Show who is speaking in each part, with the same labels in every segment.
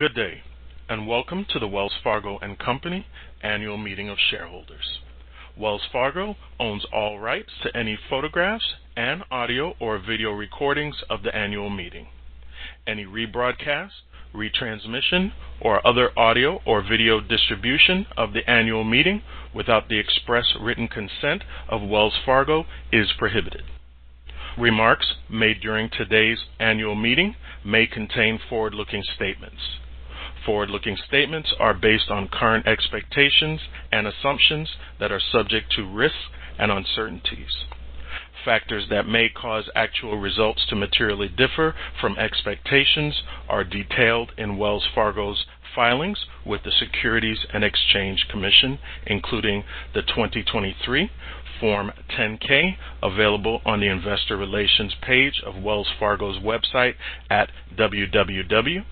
Speaker 1: Good day, and welcome to the Wells Fargo and Company Annual Meeting of Shareholders. Wells Fargo owns all rights to any photographs and audio or video recordings of the annual meeting. Any rebroadcast, retransmission, or other audio or video distribution of the annual meeting without the express written consent of Wells Fargo is prohibited. Remarks made during today's annual meeting may contain forward-looking statements. Forward-looking statements are based on current expectations and assumptions that are subject to risks and uncertainties. Factors that may cause actual results to materially differ from expectations are detailed in Wells Fargo's filings with the Securities and Exchange Commission, including the 2023 Form 10-K, available on the Investor Relations page of Wells Fargo's website at www.wellsfargo.com.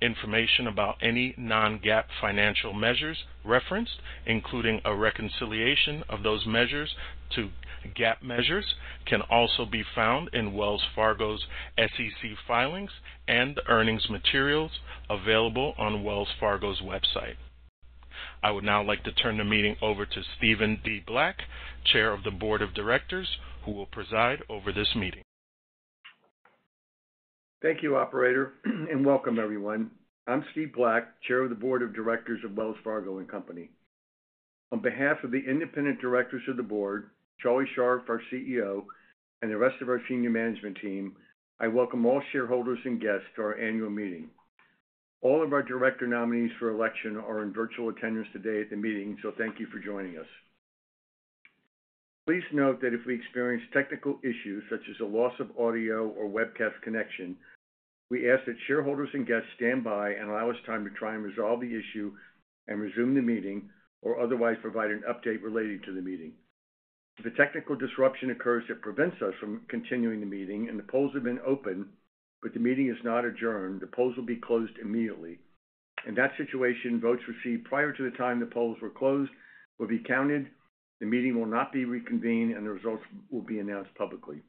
Speaker 1: Information about any non-GAAP financial measures referenced, including a reconciliation of those measures to GAAP measures, can also be found in Wells Fargo's SEC filings and earnings materials available on Wells Fargo's website. I would now like to turn the meeting over to Steven D. Black, Chair of the Board of Directors, who will preside over this meeting.
Speaker 2: Thank you, operator, and welcome, everyone. I'm Steve Black, Chair of the Board of Directors of Wells Fargo and Company. On behalf of the independent directors of the board, Charlie Scharf, our CEO, and the rest of our senior management team, I welcome all shareholders and guests to our annual meeting. All of our director nominees for election are in virtual attendance today at the meeting, so thank you for joining us. Please note that if we experience technical issues, such as a loss of audio or webcast connection, we ask that shareholders and guests stand by and allow us time to try and resolve the issue and resume the meeting or otherwise provide an update related to the meeting. If a technical disruption occurs that prevents us from continuing the meeting and the polls have been open, but the meeting is not adjourned, the polls will be closed immediately. In that situation, votes received prior to the time the polls were closed will be counted, the meeting will not be reconvened, and the results will be announced publicly.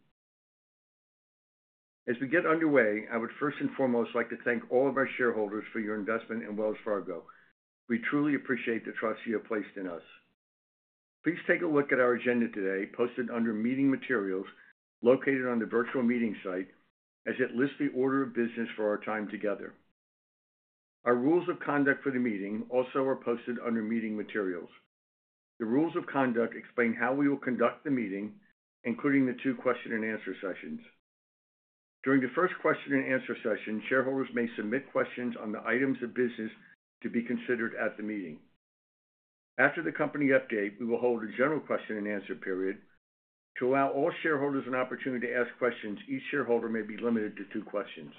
Speaker 2: As we get underway, I would first and foremost like to thank all of our shareholders for your investment in Wells Fargo. We truly appreciate the trust you have placed in us. Please take a look at our agenda today, posted under Meeting Materials, located on the virtual meeting site, as it lists the order of business for our time together. Our rules of conduct for the meeting also are posted under Meeting Materials. The rules of conduct explain how we will conduct the meeting, including the two question-and-answer sessions. During the first question-and-answer session, shareholders may submit questions on the items of business to be considered at the meeting. After the company update, we will hold a general question-and-answer period. To allow all shareholders an opportunity to ask questions, each shareholder may be limited to two questions.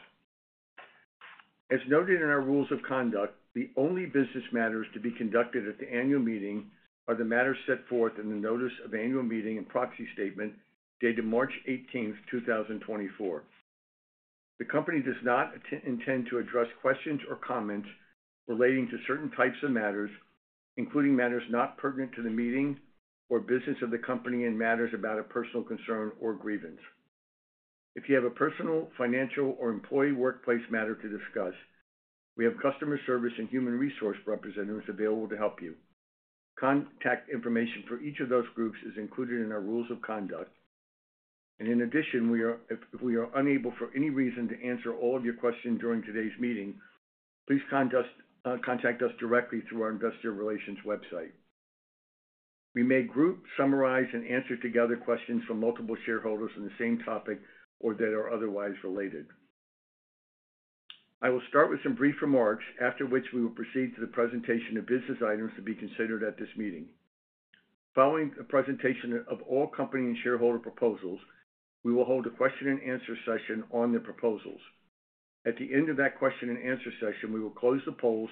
Speaker 2: As noted in our rules of conduct, the only business matters to be conducted at the annual meeting are the matters set forth in the Notice of Annual Meeting and Proxy Statement, dated March eighteenth, two thousand and twenty-four. The company does not intend to address questions or comments relating to certain types of matters, including matters not pertinent to the meeting or business of the company, and matters about a personal concern or grievance. If you have a personal, financial, or employee workplace matter to discuss, we have customer service and human resource representatives available to help you. Contact information for each of those groups is included in our rules of conduct, and in addition, we are, if we are unable, for any reason, to answer all of your questions during today's meeting, please contact us directly through our investor relations website. We may group, summarize, and answer together questions from multiple shareholders on the same topic or that are otherwise related. I will start with some brief remarks, after which we will proceed to the presentation of business items to be considered at this meeting. Following a presentation of all company and shareholder proposals, we will hold a question-and-answer session on the proposals. At the end of that question-and-answer session, we will close the polls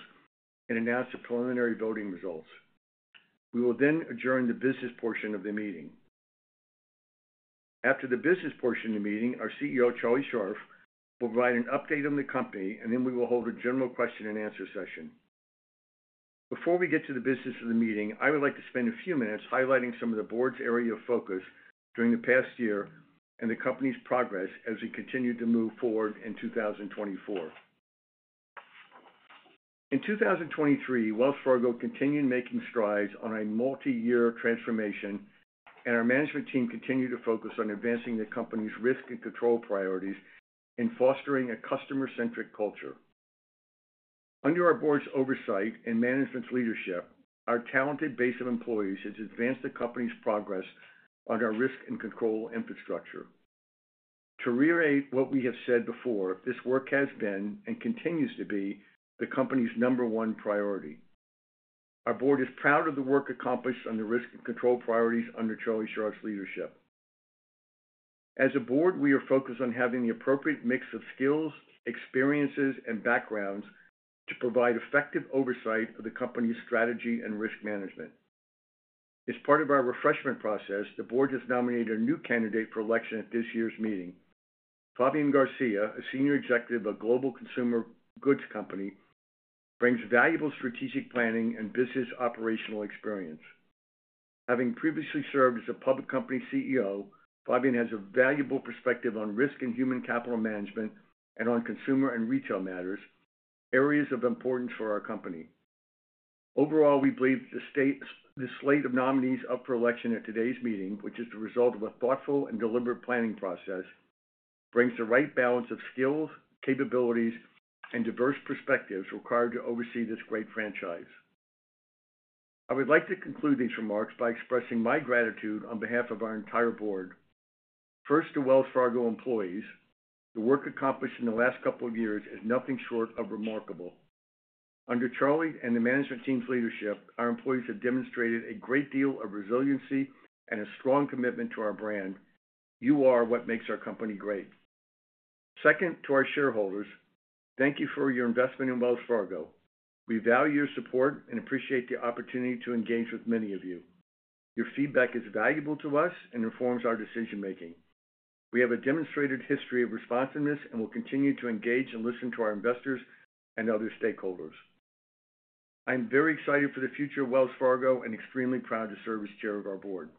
Speaker 2: and announce the preliminary voting results. We will then adjourn the business portion of the meeting. After the business portion of the meeting, our CEO, Charlie Scharf, will provide an update on the company, and then we will hold a general question-and-answer session. Before we get to the business of the meeting, I would like to spend a few minutes highlighting some of the board's area of focus during the past year and the company's progress as we continue to move forward in 2024. In 2023, Wells Fargo continued making strides on a multi-year transformation, and our management team continued to focus on advancing the company's risk and control priorities in fostering a customer-centric culture. Under our board's oversight and management's leadership, our talented base of employees has advanced the company's progress on our risk and control infrastructure. To reiterate what we have said before, this work has been, and continues to be, the company's number one priority. Our board is proud of the work accomplished on the risk and control priorities under Charlie Scharf's leadership. As a board, we are focused on having the appropriate mix of skills, experiences, and backgrounds to provide effective oversight of the company's strategy and risk management. As part of our refreshment process, the board has nominated a new candidate for election at this year's meeting. Fabian Garcia, a senior executive of a global consumer goods company, brings valuable strategic planning and business operational experience.... Having previously served as a public company CEO, Fabian has a valuable perspective on risk and human capital management and on consumer and retail matters, areas of importance for our company. Overall, we believe the slate of nominees up for election at today's meeting, which is the result of a thoughtful and deliberate planning process, brings the right balance of skills, capabilities, and diverse perspectives required to oversee this great franchise. I would like to conclude these remarks by expressing my gratitude on behalf of our entire board. First, to Wells Fargo employees, the work accomplished in the last couple of years is nothing short of remarkable. Under Charlie and the management team's leadership, our employees have demonstrated a great deal of resiliency and a strong commitment to our brand. You are what makes our company great. Second, to our shareholders, thank you for your investment in Wells Fargo. We value your support and appreciate the opportunity to engage with many of you. Your feedback is valuable to us and informs our decision-making. We have a demonstrated history of responsiveness and will continue to engage and listen to our investors and other stakeholders. I'm very excited for the future of Wells Fargo and extremely proud to serve as chair of our board.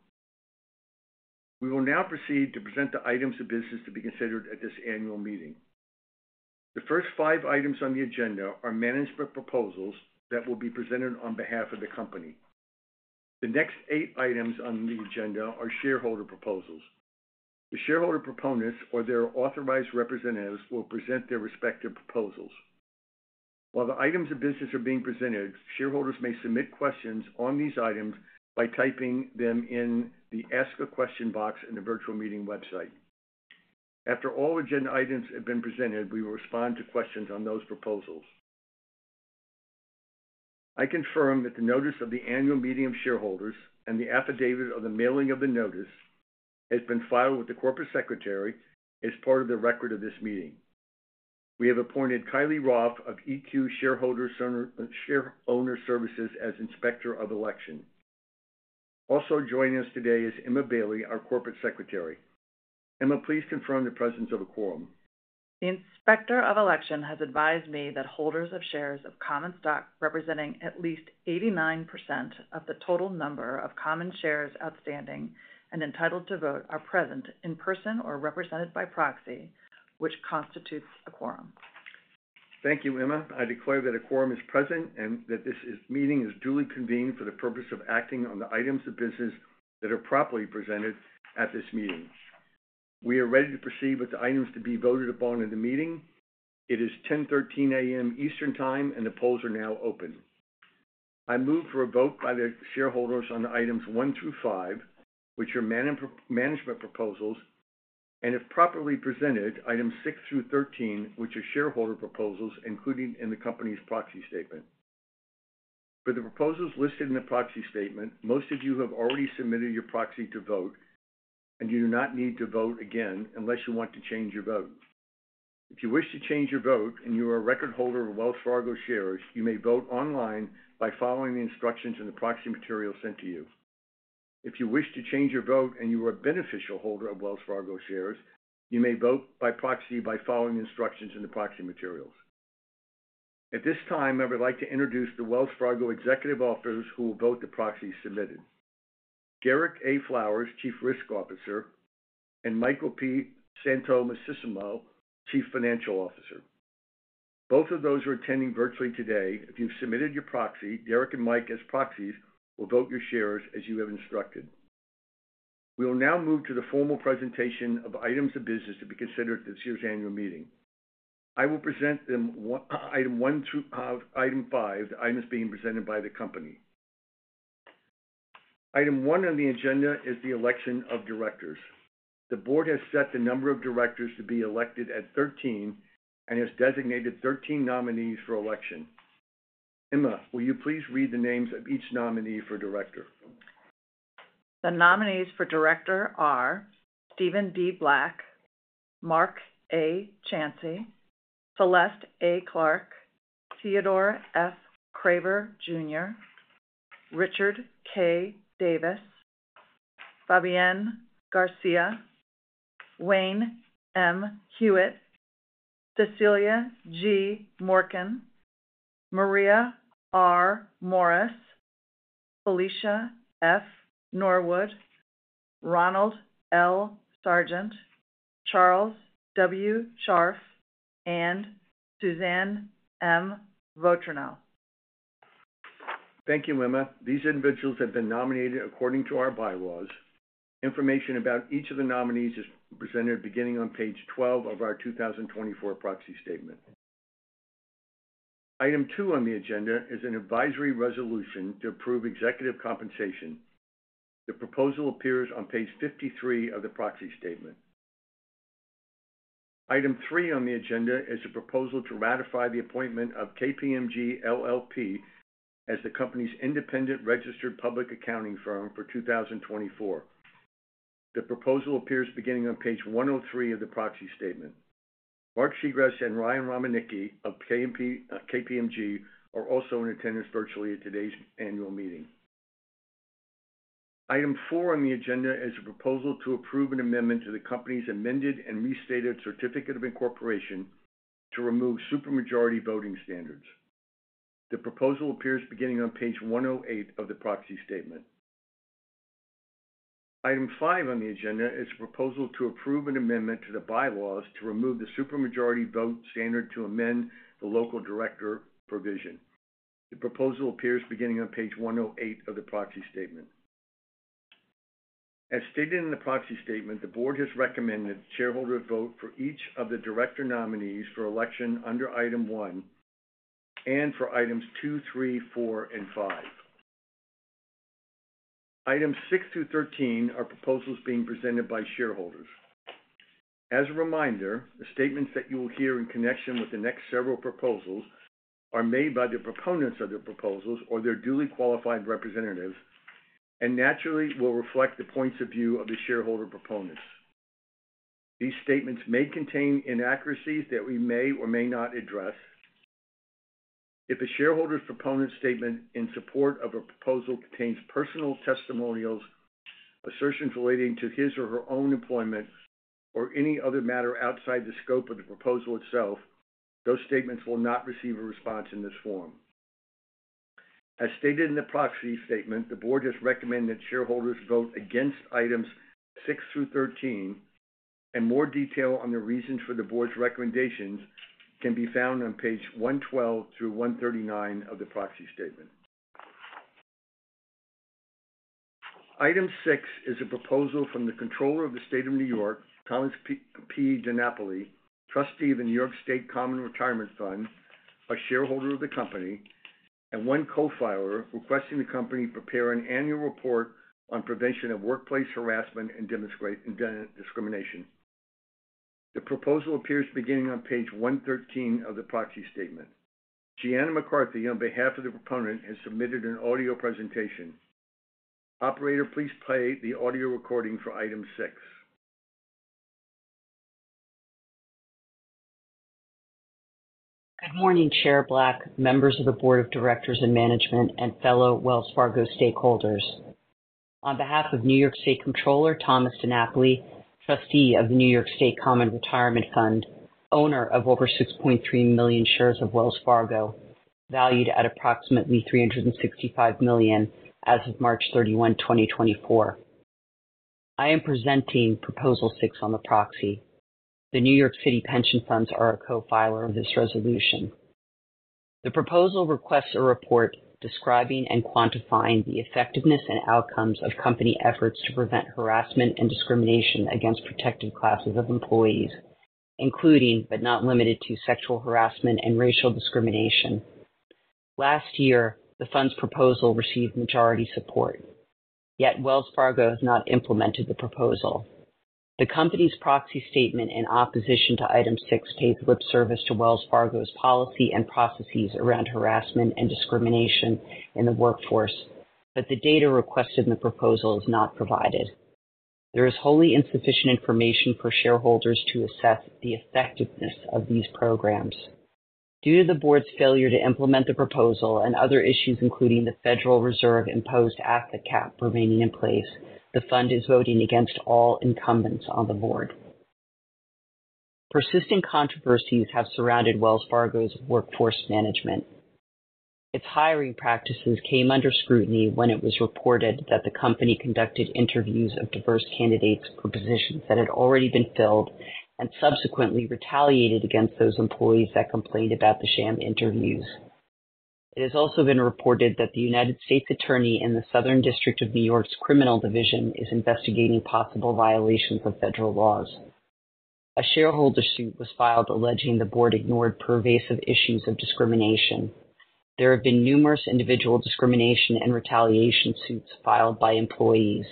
Speaker 2: We will now proceed to present the items of business to be considered at this annual meeting. The first five items on the agenda are management proposals that will be presented on behalf of the company. The next eight items on the agenda are shareholder proposals. The shareholder proponents or their authorized representatives will present their respective proposals. While the items of business are being presented, shareholders may submit questions on these items by typing them in the Ask a Question box in the virtual meeting website. After all agenda items have been presented, we will respond to questions on those proposals. I confirm that the notice of the annual meeting of shareholders and the affidavit of the mailing of the notice has been filed with the Corporate Secretary as part of the record of this meeting. We have appointed Kylie Roth of EQ Shareowner Services, as Inspector of Election. Also joining us today is Emma Bailey, our Corporate Secretary. Emma, please confirm the presence of a quorum.
Speaker 3: The Inspector of Election has advised me that holders of shares of common stock, representing at least 89% of the total number of common shares outstanding and entitled to vote, are present in person or represented by proxy, which constitutes a quorum.
Speaker 2: Thank you, Emma. I declare that a quorum is present and that this meeting is duly convened for the purpose of acting on the items of business that are properly presented at this meeting. We are ready to proceed with the items to be voted upon in the meeting. It is 10:13 A.M. Eastern Time, and the polls are now open. I move for a vote by the shareholders on items one through five which are management proposals, and if properly presented, items six through 13, which are shareholder proposals, including in the company's proxy statement. For the proposals listed in the proxy statement, most of you have already submitted your proxy to vote, and you do not need to vote again unless you want to change your vote. If you wish to change your vote and you are a record holder of Wells Fargo shares, you may vote online by following the instructions in the proxy material sent to you. If you wish to change your vote and you are a beneficial holder of Wells Fargo shares, you may vote by proxy by following the instructions in the proxy materials. At this time, I would like to introduce the Wells Fargo executive officers who will vote the proxies submitted. Derek A. Flowers, Chief Risk Officer, and Michael P. Santomassimo, Chief Financial Officer. Both of those are attending virtually today. If you've submitted your proxy, Derek and Mike, as proxies, will vote your shares as you have instructed. We will now move to the formal presentation of items of business to be considered at this year's annual meeting. I will present them one, Item 1 through Item 5, the items being presented by the company. Item 1 on the agenda is the election of directors. The board has set the number of directors to be elected at 13 and has designated 13 nominees for election. Emma, will you please read the names of each nominee for director?
Speaker 3: The nominees for director are Steven D. Black, Mark A. Chancy, Celeste A. Clark, Theodore F. Craver, Jr., Richard K. Davis, Fabian T. Garcia, Wayne M. Hewett, CeCelia G. Morken, Maria R. Morris, Felicia F. Norwood, Ronald L. Sargent, Charles W. Scharf, and Suzanne M. Vautrinot.
Speaker 2: Thank you, Emma. These individuals have been nominated according to our bylaws. Information about each of the nominees is presented beginning on page 12 of our 2024 proxy statement. Item 2 on the agenda is an advisory resolution to approve executive compensation. The proposal appears on page 53 of the proxy statement. Item 3 on the agenda is a proposal to ratify the appointment of KPMG LLP as the company's independent registered public accounting firm for 2024. The proposal appears beginning on page 103 of the proxy statement. Mark Segrest and Ryan Romanicki of KPMG are also in attendance virtually at today's annual meeting. Item 4 on the agenda is a proposal to approve an amendment to the company's amended and restated certificate of incorporation to remove super majority voting standards.... The proposal appears beginning on page 108 of the proxy statement. Item 5 on the agenda is a proposal to approve an amendment to the bylaws to remove the supermajority voting standard to amend the local director provision. The proposal appears beginning on page 108 of the proxy statement. As stated in the proxy statement, the board has recommended shareholder vote for each of the director nominees for election under Item 1 and for Items two, three, four, and five. Items 6 through 13 are proposals being presented by shareholders. As a reminder, the statements that you will hear in connection with the next several proposals are made by the proponents of the proposals or their duly qualified representatives, and naturally will reflect the points of view of the shareholder proponents. These statements may contain inaccuracies that we may or may not address. If a shareholder's proponent statement in support of a proposal contains personal testimonials, assertions relating to his or her own employment, or any other matter outside the scope of the proposal itself, those statements will not receive a response in this form. As stated in the proxy statement, the board has recommended that shareholders vote against items six through 13, and more detail on the reasons for the board's recommendations can be found on page 112 through 139 of the proxy statement. Item 6 is a proposal from the Comptroller of the State of New York, Thomas P. DiNapoli, Trustee of the New York State Common Retirement Fund, a shareholder of the company, and one co-filer requesting the company prepare an annual report on prevention of workplace harassment and discrimination. The proposal appears beginning on page 113 of the proxy statement. Gianna McCarthy, on behalf of the proponent, has submitted an audio presentation. Operator, please play the audio recording for Item 6.
Speaker 4: Good morning, Chair Black, members of the board of directors and management, and fellow Wells Fargo stakeholders. On behalf of New York State Comptroller Thomas DiNapoli, Trustee of the New York State Common Retirement Fund, owner of over 6.3 million shares of Wells Fargo, valued at approximately $365 million as of March 31, 2024, I am presenting proposal 6 on the proxy. The New York City pension funds are a co-filer of this resolution. The proposal requests a report describing and quantifying the effectiveness and outcomes of company efforts to prevent harassment and discrimination against protected classes of employees, including, but not limited to, sexual harassment and racial discrimination. Last year, the fund's proposal received majority support, yet Wells Fargo has not implemented the proposal. The company's proxy statement in opposition to Item 6 pays lip service to Wells Fargo's policy and processes around harassment and discrimination in the workforce, but the data requested in the proposal is not provided. There is wholly insufficient information for shareholders to assess the effectiveness of these programs. Due to the board's failure to implement the proposal and other issues, including the Federal Reserve-imposed asset cap remaining in place, the fund is voting against all incumbents on the board. Persisting controversies have surrounded Wells Fargo's workforce management. Its hiring practices came under scrutiny when it was reported that the company conducted interviews of diverse candidates for positions that had already been filled, and subsequently retaliated against those employees that complained about the sham interviews. It has also been reported that the United States Attorney in the Southern District of New York's Criminal Division is investigating possible violations of federal laws. A shareholder suit was filed alleging the board ignored pervasive issues of discrimination. There have been numerous individual discrimination and retaliation suits filed by employees.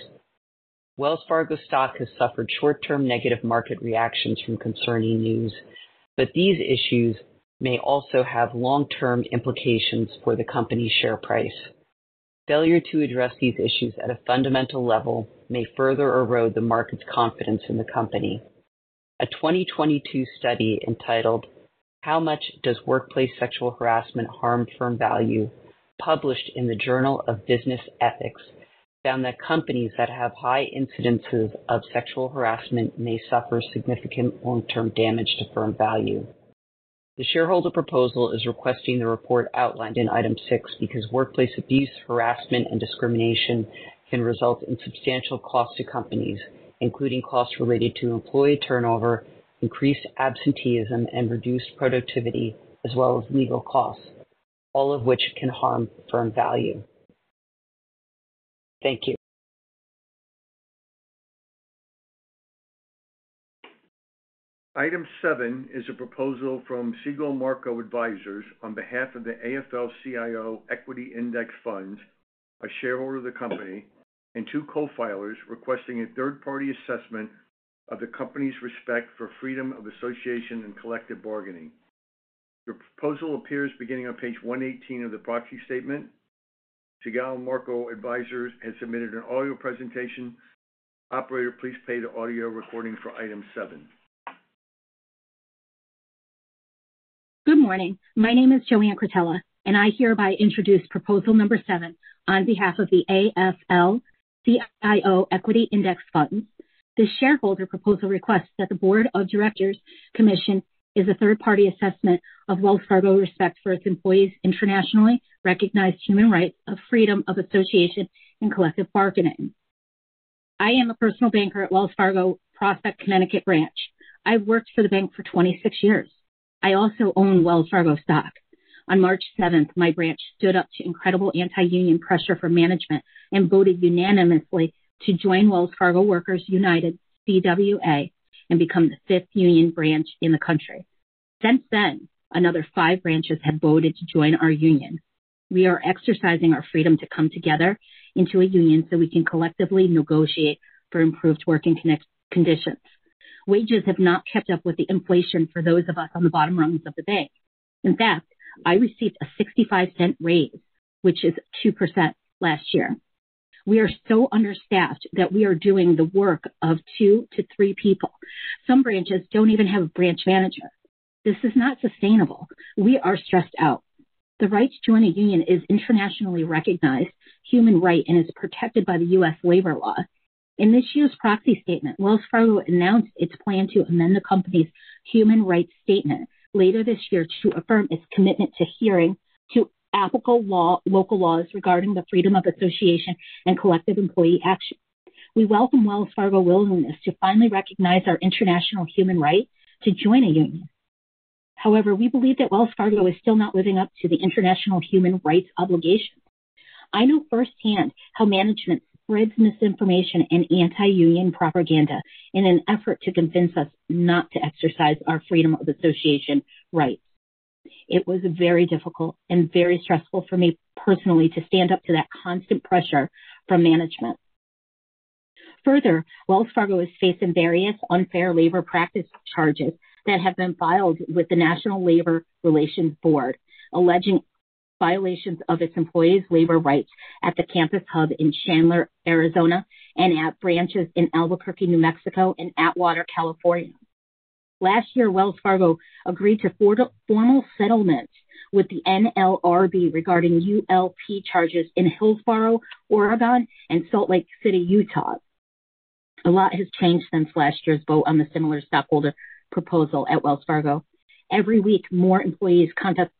Speaker 4: Wells Fargo stock has suffered short-term negative market reactions from concerning news, but these issues may also have long-term implications for the company's share price. Failure to address these issues at a fundamental level may further erode the market's confidence in the company. A 2022 study entitled How Much Does Workplace Sexual Harassment Harm Firm Value, published in the Journal of Business Ethics, found that companies that have high incidences of sexual harassment may suffer significant long-term damage to firm value. The shareholder proposal is requesting the report outlined in item 6 because workplace abuse, harassment, and discrimination can result in substantial costs to companies, including costs related to employee turnover, increased absenteeism, and reduced productivity, as well as legal costs, all of which can harm firm value. Thank you.
Speaker 2: Item 7 is a proposal from Segal Marco Advisors on behalf of the AFL-CIO Equity Index Fund, a shareholder of the company, and two co-filers requesting a third-party assessment of the company's respect for freedom of association and collective bargaining. The proposal appears beginning on page 118 of the proxy statement. Segal Marco Advisors has submitted an audio presentation. Operator, please play the audio recording for Item 7.
Speaker 4: Good morning. My name is Joanne Cretella, and I hereby introduce proposal number 7 on behalf of the AFL-CIO Equity Index Fund. This shareholder proposal requests that the board of directors commission a third-party assessment of Wells Fargo's respect for its employees' internationally recognized human rights of freedom of association and collective bargaining. I am a personal banker at Wells Fargo, Prospect, Connecticut branch. I've worked for the bank for 26 years. I also own Wells Fargo stock. On March 7, my branch stood up to incredible anti-union pressure from management and voted unanimously to join Wells Fargo Workers United, CWA, and become the 5th union branch in the country. Since then, another 5 branches have voted to join our union. We are exercising our freedom to come together into a union so we can collectively negotiate for improved working conditions. Wages have not kept up with the inflation for those of us on the bottom rungs of the bank. In fact, I received a $0.65 raise, which is 2% last year. We are so understaffed that we are doing the work of two to three people. Some branches don't even have a branch manager. This is not sustainable. We are stressed out. The right to join a union is internationally recognized human right and is protected by the U.S. labor law. In this year's proxy statement, Wells Fargo announced its plan to amend the company's human rights statement later this year to affirm its commitment to adhering to applicable law, local laws regarding the freedom of association and collective employee action. We welcome Wells Fargo's willingness to finally recognize our international human rights to join a union. However, we believe that Wells Fargo is still not living up to the international human rights obligations. I know firsthand how management spreads misinformation and anti-union propaganda in an effort to convince us not to exercise our freedom of association rights. It was very difficult and very stressful for me personally to stand up to that constant pressure from management. Further, Wells Fargo is facing various unfair labor practice charges that have been filed with the National Labor Relations Board, alleging violations of its employees' labor rights at the campus hub in Chandler, Arizona, and at branches in Albuquerque, New Mexico, and Atwater, California. Last year, Wells Fargo agreed to formal settlement with the NLRB regarding ULP charges in Hillsboro, Oregon, and Salt Lake City, Utah. A lot has changed since last year's vote on the similar stockholder proposal at Wells Fargo. Every week, more employees contact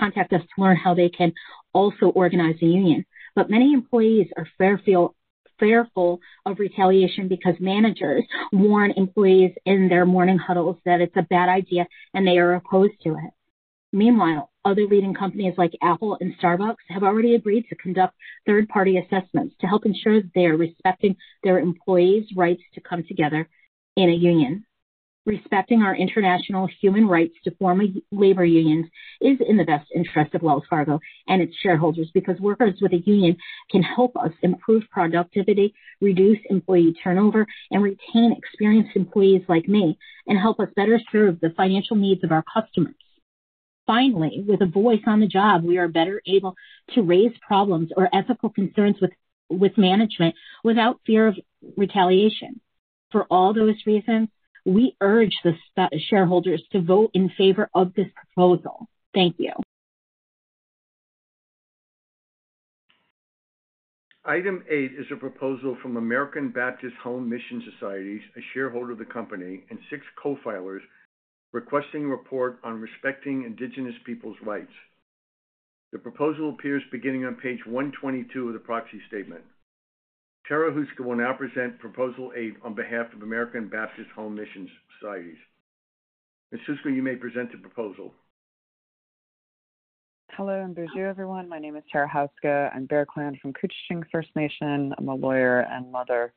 Speaker 4: us to learn how they can also organize a union. But many employees are fearful of retaliation because managers warn employees in their morning huddles that it's a bad idea and they are opposed to it. Meanwhile, other leading companies like Apple and Starbucks have already agreed to conduct third-party assessments to help ensure they are respecting their employees' rights to come together in a union. Respecting our international human rights to form a labor union is in the best interest of Wells Fargo and its shareholders, because workers with a union can help us improve productivity, reduce employee turnover, and retain experienced employees like me, and help us better serve the financial needs of our customers. Finally, with a voice on the job, we are better able to raise problems or ethical concerns with management without fear of retaliation. For all those reasons, we urge the shareholders to vote in favor of this proposal. Thank you.
Speaker 2: Item 8 is a proposal from American Baptist Home Mission Societies, a shareholder of the company, and six co-filers requesting a report on respecting indigenous people's rights. The proposal appears beginning on page 122 of the proxy statement. Tara Houska will now present proposal 8 on behalf of American Baptist Home Mission Societies. Ms. Houska, you may present the proposal.
Speaker 5: Hello and bonjour, everyone. My name is Tara Houska. I'm Bear Clan from Couchiching First Nation. I'm a lawyer and mother.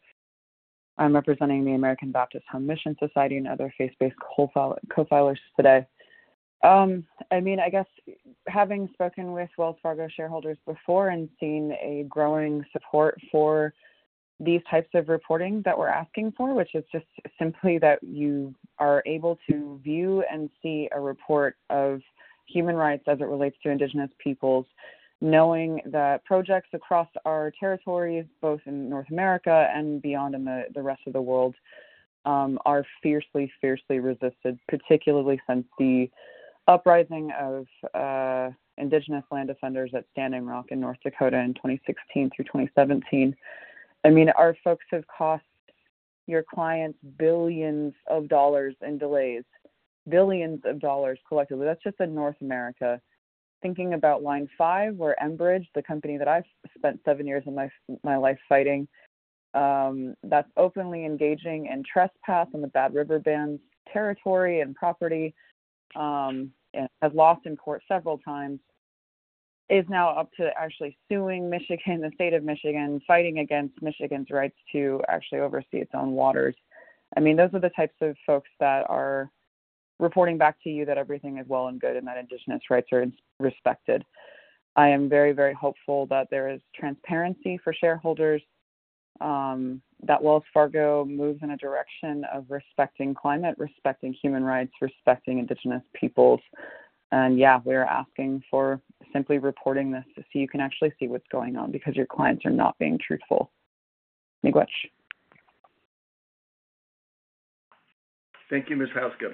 Speaker 5: I'm representing the American Baptist Home Mission Society and other faith-based co-filers today. I mean, I guess having spoken with Wells Fargo shareholders before and seen a growing support for these types of reporting that we're asking for, which is just simply that you are able to view and see a report of human rights as it relates to indigenous peoples. Knowing that projects across our territories, both in North America and beyond, in the rest of the world, are fiercely, fiercely resisted, particularly since the uprising of indigenous land defenders at Standing Rock in North Dakota in 2016 through 2017. I mean, our folks have cost your clients billions of dollars in delays, billions of dollars collectively. That's just in North America. Thinking about Line 5, where Enbridge, the company that I've spent seven years of my, my life fighting, that's openly engaging in trespass on the Bad River Band's territory and property, and has lost in court several times, is now up to actually suing Michigan, the state of Michigan, fighting against Michigan's rights to actually oversee its own waters. I mean, those are the types of folks that are reporting back to you, that everything is well and good and that indigenous rights are respected. I am very, very hopeful that there is transparency for shareholders, that Wells Fargo moves in a direction of respecting climate, respecting human rights, respecting indigenous peoples. And yeah, we are asking for simply reporting this so you can actually see what's going on because your clients are not being truthful. Miigwech....
Speaker 2: Thank you, Ms. Houska.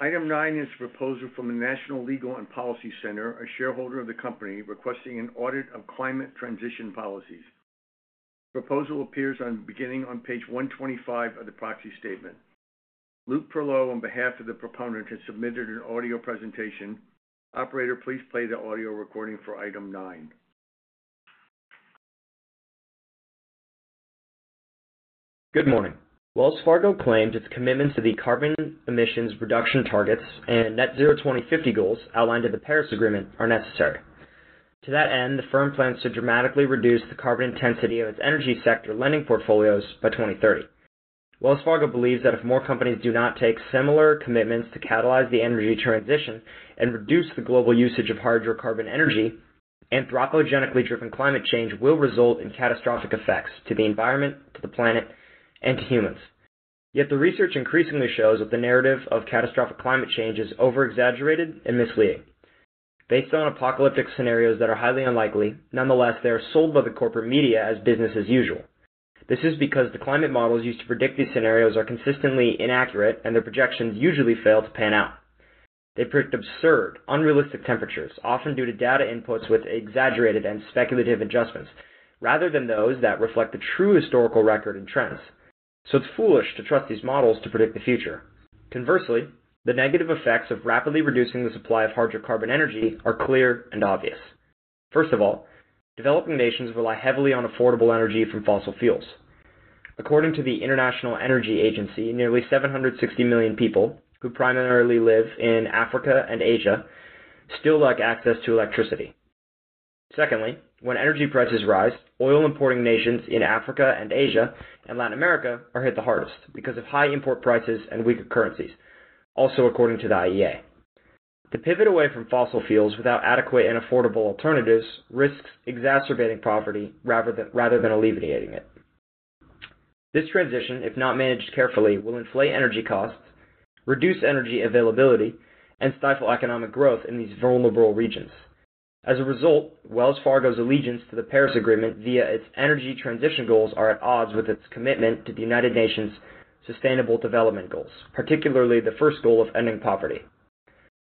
Speaker 2: Item 9 is a proposal from the National Legal and Policy Center, a shareholder of the company, requesting an audit of climate transition policies. Proposal appears on, beginning on page 125 of the proxy statement. Luke Perlow, on behalf of the proponent, has submitted an audio presentation. Operator, please play the audio recording for item 9.
Speaker 4: Good morning. Wells Fargo claims its commitment to the carbon emissions reduction targets and net zero 2050 goals outlined in the Paris Agreement are necessary. To that end, the firm plans to dramatically reduce the carbon intensity of its energy sector lending portfolios by 2030. Wells Fargo believes that if more companies do not take similar commitments to catalyze the energy transition and reduce the global usage of hydrocarbon energy, anthropogenically driven climate change will result in catastrophic effects to the environment, to the planet, and to humans. Yet the research increasingly shows that the narrative of catastrophic climate change is over-exaggerated and misleading. Based on apocalyptic scenarios that are highly unlikely, nonetheless, they are sold by the corporate media as business as usual. This is because the climate models used to predict these scenarios are consistently inaccurate, and their projections usually fail to pan out. They predict absurd, unrealistic temperatures, often due to data inputs with exaggerated and speculative adjustments, rather than those that reflect the true historical record and trends. So it's foolish to trust these models to predict the future. Conversely, the negative effects of rapidly reducing the supply of hydrocarbon energy are clear and obvious. First of all, developing nations rely heavily on affordable energy from fossil fuels. According to the International Energy Agency, nearly 760 million people, who primarily live in Africa and Asia, still lack access to electricity. Secondly, when energy prices rise, oil importing nations in Africa and Asia and Latin America are hit the hardest because of high import prices and weaker currencies, also according to the IEA. To pivot away from fossil fuels without adequate and affordable alternatives risks exacerbating poverty rather than alleviating it. This transition, if not managed carefully, will inflate energy costs, reduce energy availability, and stifle economic growth in these vulnerable regions. As a result, Wells Fargo's allegiance to the Paris Agreement via its energy transition goals are at odds with its commitment to the United Nations Sustainable Development Goals, particularly the first goal of ending poverty.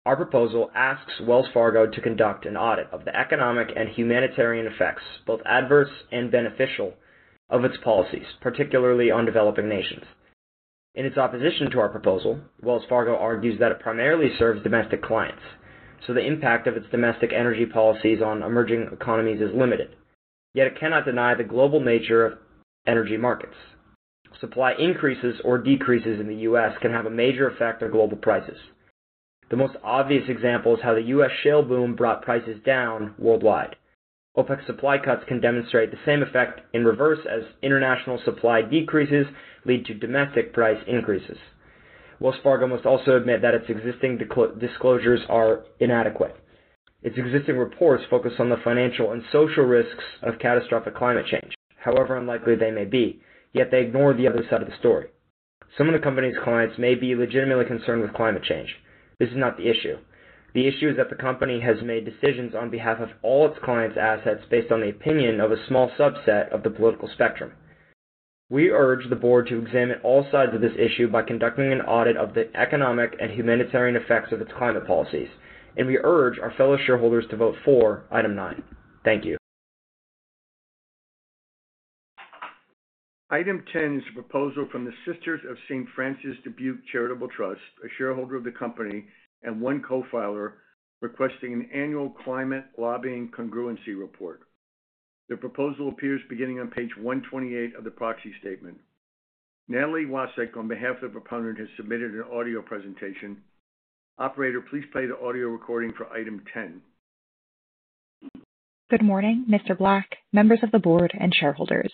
Speaker 4: Our proposal asks Wells Fargo to conduct an audit of the economic and humanitarian effects, both adverse and beneficial, of its policies, particularly on developing nations. In its opposition to our proposal, Wells Fargo argues that it primarily serves domestic clients, so the impact of its domestic energy policies on emerging economies is limited. Yet it cannot deny the global nature of energy markets. Supply increases or decreases in the U.S. can have a major effect on global prices. The most obvious example is how the U.S. shale boom brought prices down worldwide. OPEC supply cuts can demonstrate the same effect in reverse as international supply decreases lead to domestic price increases. Wells Fargo must also admit that its existing disclosures are inadequate. Its existing reports focus on the financial and social risks of catastrophic climate change, however unlikely they may be, yet they ignore the other side of the story. Some of the company's clients may be legitimately concerned with climate change. This is not the issue. The issue is that the company has made decisions on behalf of all its clients' assets based on the opinion of a small subset of the political spectrum. We urge the board to examine all sides of this issue by conducting an audit of the economic and humanitarian effects of its climate policies, and we urge our fellow shareholders to vote for Item 9. Thank you.
Speaker 2: Item 10 is a proposal from the Sisters of St. Francis of Dubuque Charitable Trust, a shareholder of the company, and one co-filer, requesting an annual climate lobbying congruency report. The proposal appears beginning on page 128 of the proxy statement. Natalie Wasik, on behalf of the proponent, has submitted an audio presentation. Operator, please play the audio recording for item 10.
Speaker 4: Good morning, Mr. Black, members of the board, and shareholders.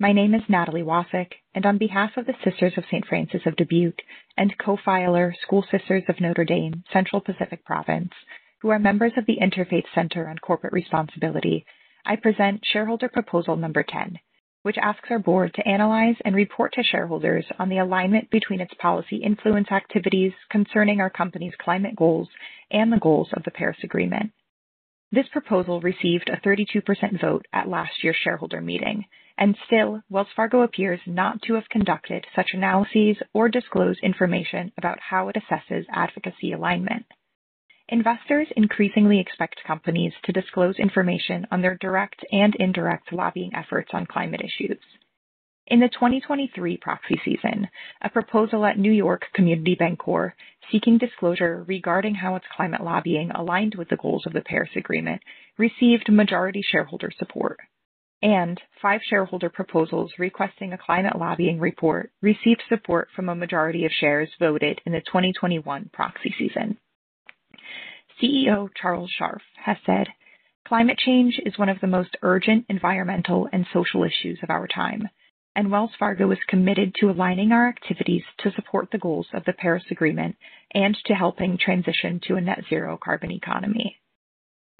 Speaker 4: My name is Natalie Wasik, and on behalf of the Sisters of St. Francis of Dubuque and co-filer, School Sisters of Notre Dame, Central Pacific Province, who are members of the Interfaith Center on Corporate Responsibility, I present shareholder proposal number 10, which asks our board to analyze and report to shareholders on the alignment between its policy influence activities concerning our company's climate goals and the goals of the Paris Agreement. This proposal received a 32% vote at last year's shareholder meeting, and still, Wells Fargo appears not to have conducted such analyses or disclose information about how it assesses advocacy alignment. Investors increasingly expect companies to disclose information on their direct and indirect lobbying efforts on climate issues. In the 2023 proxy season, a proposal at New York Community Bancorp, seeking disclosure regarding how its climate lobbying aligned with the goals of the Paris Agreement, received majority shareholder support, and five shareholder proposals requesting a climate lobbying report received support from a majority of shares voted in the 2021 proxy season. CEO Charles Scharf has said, "Climate change is one of the most urgent environmental and social issues of our time, and Wells Fargo is committed to aligning our activities to support the goals of the Paris Agreement and to helping transition to a net zero carbon economy."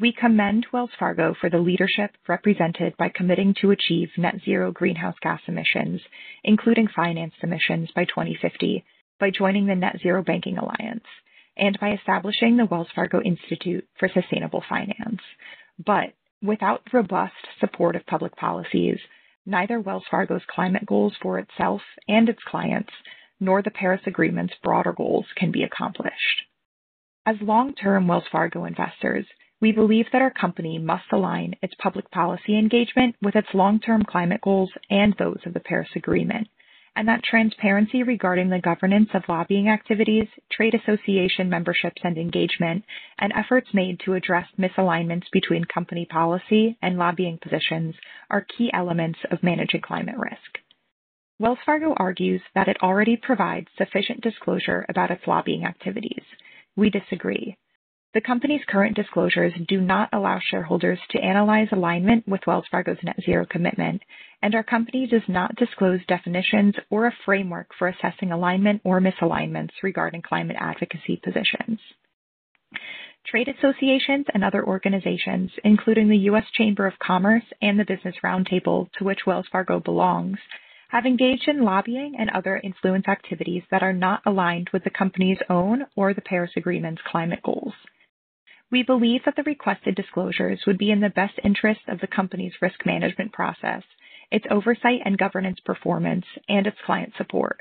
Speaker 4: We commend Wells Fargo for the leadership represented by committing to achieve net zero greenhouse gas emissions, including finance emissions by 2050, by joining the Net Zero Banking Alliance and by establishing the Wells Fargo Institute for Sustainable Finance... Without robust support of public policies, neither Wells Fargo's climate goals for itself and its clients, nor the Paris Agreement's broader goals can be accomplished. As long-term Wells Fargo investors, we believe that our company must align its public policy engagement with its long-term climate goals and those of the Paris Agreement, and that transparency regarding the governance of lobbying activities, trade association memberships and engagement, and efforts made to address misalignments between company policy and lobbying positions are key elements of managing climate risk. Wells Fargo argues that it already provides sufficient disclosure about its lobbying activities. We disagree. The company's current disclosures do not allow shareholders to analyze alignment with Wells Fargo's net zero commitment, and our company does not disclose definitions or a framework for assessing alignment or misalignments regarding climate advocacy positions. Trade associations and other organizations, including the U.S. Chamber of Commerce and the Business Roundtable, to which Wells Fargo belongs, have engaged in lobbying and other influence activities that are not aligned with the company's own or the Paris Agreement's climate goals. We believe that the requested disclosures would be in the best interest of the company's risk management process, its oversight and governance performance, and its client support,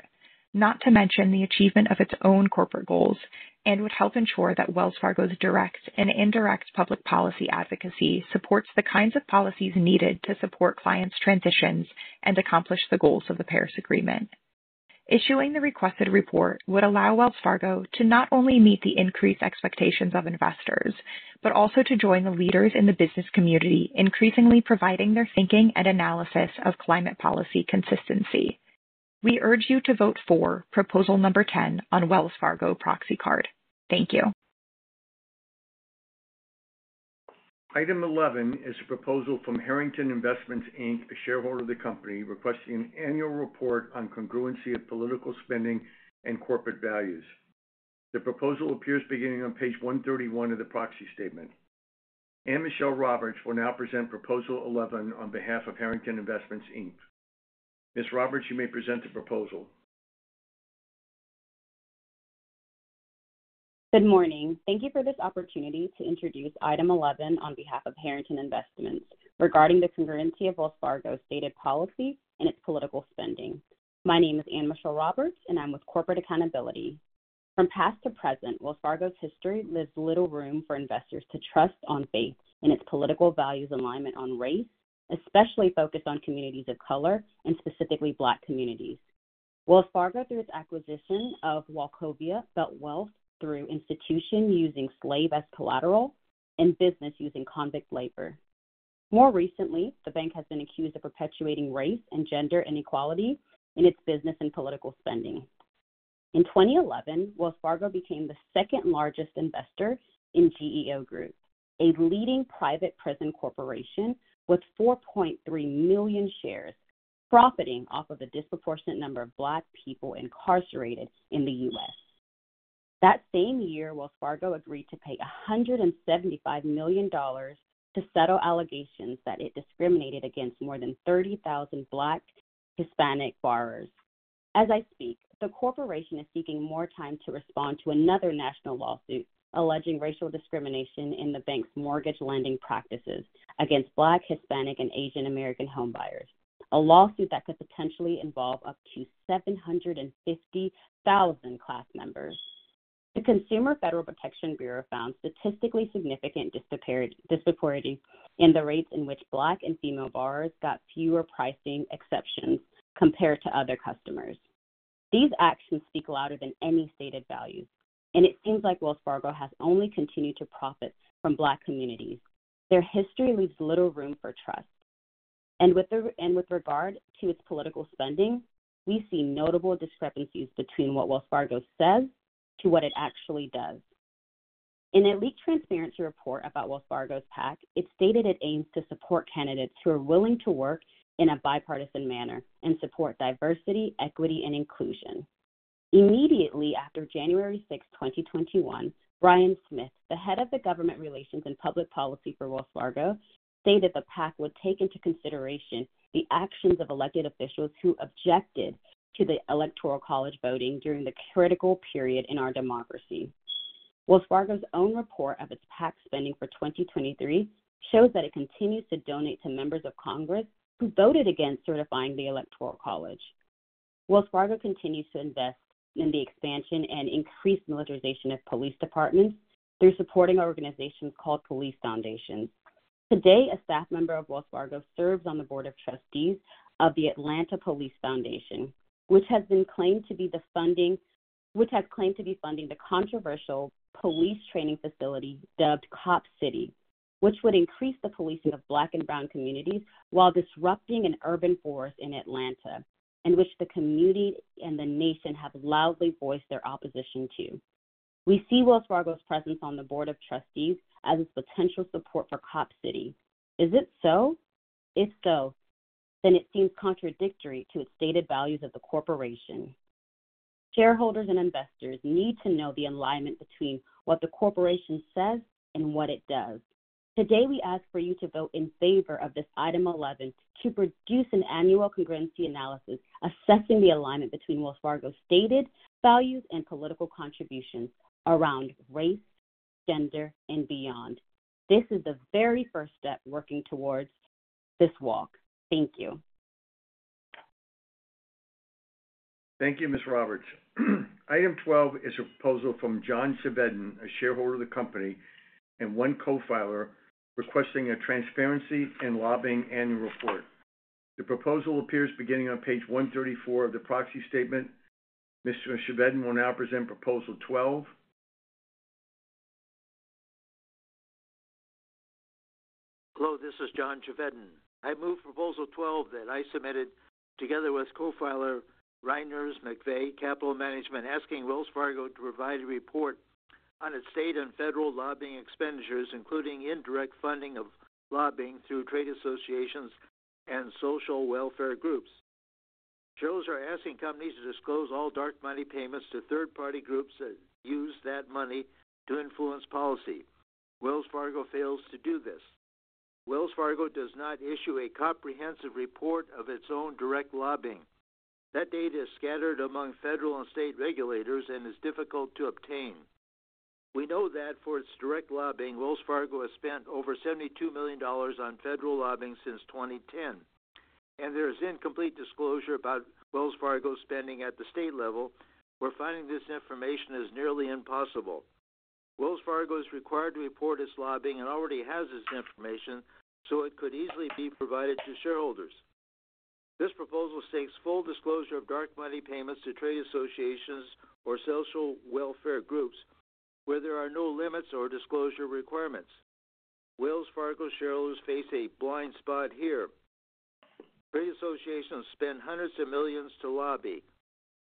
Speaker 4: not to mention the achievement of its own corporate goals, and would help ensure that Wells Fargo's direct and indirect public policy advocacy supports the kinds of policies needed to support clients' transitions and accomplish the goals of the Paris Agreement. Issuing the requested report would allow Wells Fargo to not only meet the increased expectations of investors, but also to join the leaders in the business community, increasingly providing their thinking and analysis of climate policy consistency. We urge you to vote for proposal number 10 on Wells Fargo proxy card. Thank you.
Speaker 2: Item 11 is a proposal from Harrington Investments, Inc., a shareholder of the company, requesting an annual report on congruency of political spending and corporate values. The proposal appears beginning on page 131 of the proxy statement. Ann-Michelle Roberts will now present Proposal 11 on behalf of Harrington Investments, Inc. Ms. Roberts, you may present the proposal.
Speaker 6: Good morning. Thank you for this opportunity to introduce Item 11 on behalf of Harrington Investments regarding the congruency of Wells Fargo's stated policies and its political spending. My name is Ann-Michelle Roberts, and I'm with Corporate Accountability. From past to present, Wells Fargo's history leaves little room for investors to trust on faith in its political values, alignment on race, especially focused on communities of color and specifically Black communities. Wells Fargo, through its acquisition of Wachovia, built wealth through institution using slave as collateral and business using convict labor. More recently, the bank has been accused of perpetuating race and gender inequality in its business and political spending. In 2011, Wells Fargo became the second-largest investor in GEO Group, a leading private prison corporation with 4.3 million shares, profiting off of a disproportionate number of Black people incarcerated in the U.S. That same year, Wells Fargo agreed to pay $175 million to settle allegations that it discriminated against more than 30,000 Black Hispanic borrowers. As I speak, the corporation is seeking more time to respond to another national lawsuit alleging racial discrimination in the bank's mortgage lending practices against Black, Hispanic, and Asian American homebuyers, a lawsuit that could potentially involve up to 750,000 class members. The Consumer Financial Protection Bureau found statistically significant disparity in the rates in which Black and female borrowers got fewer pricing exceptions compared to other customers. These actions speak louder than any stated values, and it seems like Wells Fargo has only continued to profit from Black communities. Their history leaves little room for trust. With regard to its political spending, we see notable discrepancies between what Wells Fargo says and what it actually does. In a leaked transparency report about Wells Fargo's PAC, it stated it aims to support candidates who are willing to work in a bipartisan manner and support diversity, equity, and inclusion. Immediately after January 6, 2021, Brian Smith, the head of government relations and public policy for Wells Fargo, stated the PAC would take into consideration the actions of elected officials who objected to the Electoral College voting during the critical period in our democracy. Wells Fargo's own report of its PAC spending for 2023 shows that it continues to donate to members of Congress who voted against certifying the Electoral College. Wells Fargo continues to invest in the expansion and increased militarization of police departments through supporting organizations called Police Foundations. Today, a staff member of Wells Fargo serves on the board of trustees of the Atlanta Police Foundation, which has claimed to be funding the controversial police training facility dubbed Cop City, which would increase the policing of Black and brown communities while disrupting an urban forest in Atlanta, in which the community and the nation have loudly voiced their opposition to. We see Wells Fargo's presence on the board of trustees as its potential support for Cop City. Is it so? If so, then it seems contradictory to its stated values of the corporation. Shareholders and investors need to know the alignment between what the corporation says and what it does. Today, we ask for you to vote in favor of this Item 11 to produce an annual congruency analysis assessing the alignment between Wells Fargo's stated values and political contributions around race, gender, and beyond. This is the very first step working towards this walk. Thank you.
Speaker 2: Thank you, Ms. Roberts. Item 12 is a proposal from John Chevedden, a shareholder of the company, and one co-filer, requesting a transparency and lobbying annual report. The proposal appears beginning on page 134 of the proxy statement. Mr. Chevedden will now present proposal 12.
Speaker 7: Hello, this is John Chevedden. I move proposal 12 that I submitted together with co-filer Reiners McVeagh Capital Management, asking Wells Fargo to provide a report on its state and federal lobbying expenditures, including indirect funding of lobbying through trade associations and social welfare groups. Shareholders are asking companies to disclose all dark money payments to third-party groups that use that money to influence policy. Wells Fargo fails to do this. Wells Fargo does not issue a comprehensive report of its own direct lobbying. That data is scattered among federal and state regulators and is difficult to obtain. We know that for its direct lobbying, Wells Fargo has spent over $72 million on federal lobbying since 2010, and there is incomplete disclosure about Wells Fargo's spending at the state level, where finding this information is nearly impossible. Wells Fargo is required to report its lobbying and already has this information, so it could easily be provided to shareholders. This proposal seeks full disclosure of dark money payments to trade associations or social welfare groups where there are no limits or disclosure requirements. Wells Fargo shareholders face a blind spot here. Trade associations spend hundreds of millions to lobby.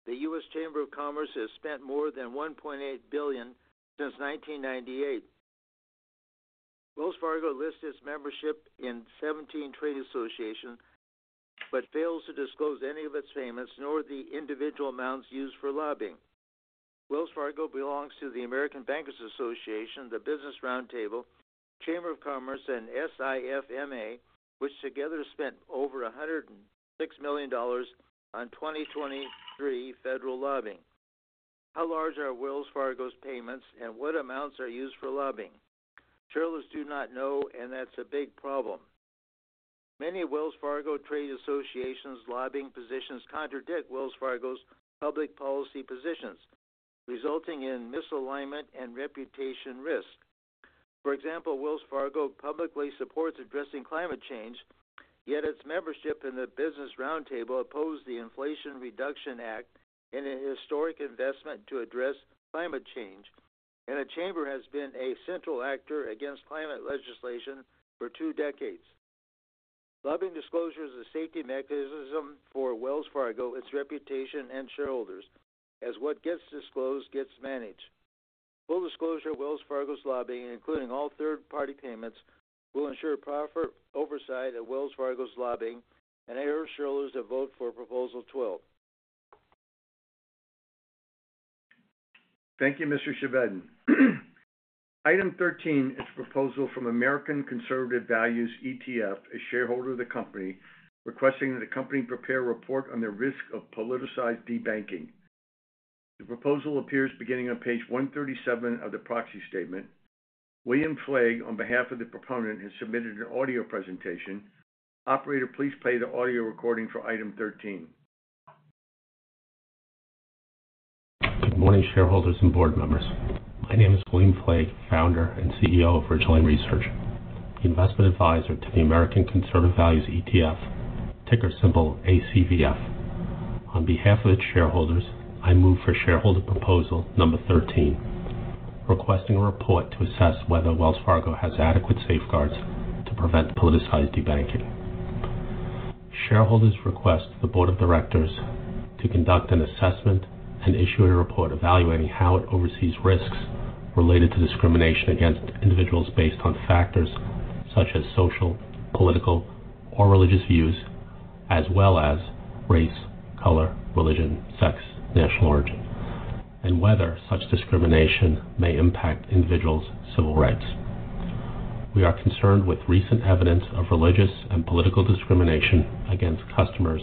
Speaker 7: The U.S. Chamber of Commerce has spent more than $1.8 billion since 1998. Wells Fargo lists its membership in 17 trade associations, but fails to disclose any of its payments nor the individual amounts used for lobbying. Wells Fargo belongs to the American Bankers Association, the Business Roundtable, Chamber of Commerce, and SIFMA, which together spent over $106 million on 2023 federal lobbying. How large are Wells Fargo's payments, and what amounts are used for lobbying? Shareholders do not know, and that's a big problem. Many Wells Fargo trade associations lobbying positions contradict Wells Fargo's public policy positions, resulting in misalignment and reputation risk. For example, Wells Fargo publicly supports addressing climate change, yet its membership in the Business Roundtable opposed the Inflation Reduction Act in a historic investment to address climate change, and a chamber has been a central actor against climate legislation for two decades. Lobbying disclosure is a safety mechanism for Wells Fargo, its reputation and shareholders, as what gets disclosed gets managed. Full disclosure of Wells Fargo's lobbying, including all third-party payments, will ensure proper oversight of Wells Fargo's lobbying, and I urge shareholders to vote for Proposal 12.
Speaker 2: Thank you, Mr. Chevedden. Item 13 is a proposal from American Conservative Values ETF, a shareholder of the company, requesting that the company prepare a report on the risk of politicized debanking. The proposal appears beginning on page 137 of the proxy statement. William Fleig, on behalf of the proponent, has submitted an audio presentation. Operator, please play the audio recording for Item 13.
Speaker 4: Good morning, shareholders and board members. My name is William Fleig, founder and CEO of Ridgeline Research, investment advisor to the American Conservative Values ETF, ticker symbol ACVF. On behalf of its shareholders, I move for shareholder proposal number 13, requesting a report to assess whether Wells Fargo has adequate safeguards to prevent politicized debanking. Shareholders request the board of directors to conduct an assessment and issue a report evaluating how it oversees risks related to discrimination against individuals based on factors such as social, political, or religious views, as well as race, color, religion, sex, national origin, and whether such discrimination may impact individuals' civil rights. We are concerned with recent evidence of religious and political discrimination against customers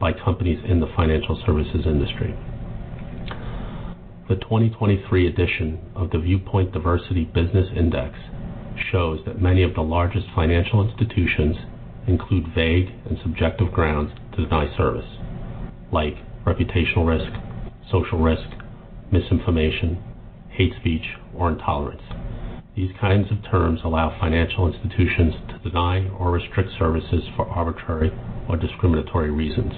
Speaker 4: by companies in the financial services industry. The 2023 edition of the Viewpoint Diversity Business Index shows that many of the largest financial institutions include vague and subjective grounds to deny service, like reputational risk, social risk, misinformation, hate speech, or intolerance. These kinds of terms allow financial institutions to deny or restrict services for arbitrary or discriminatory reasons.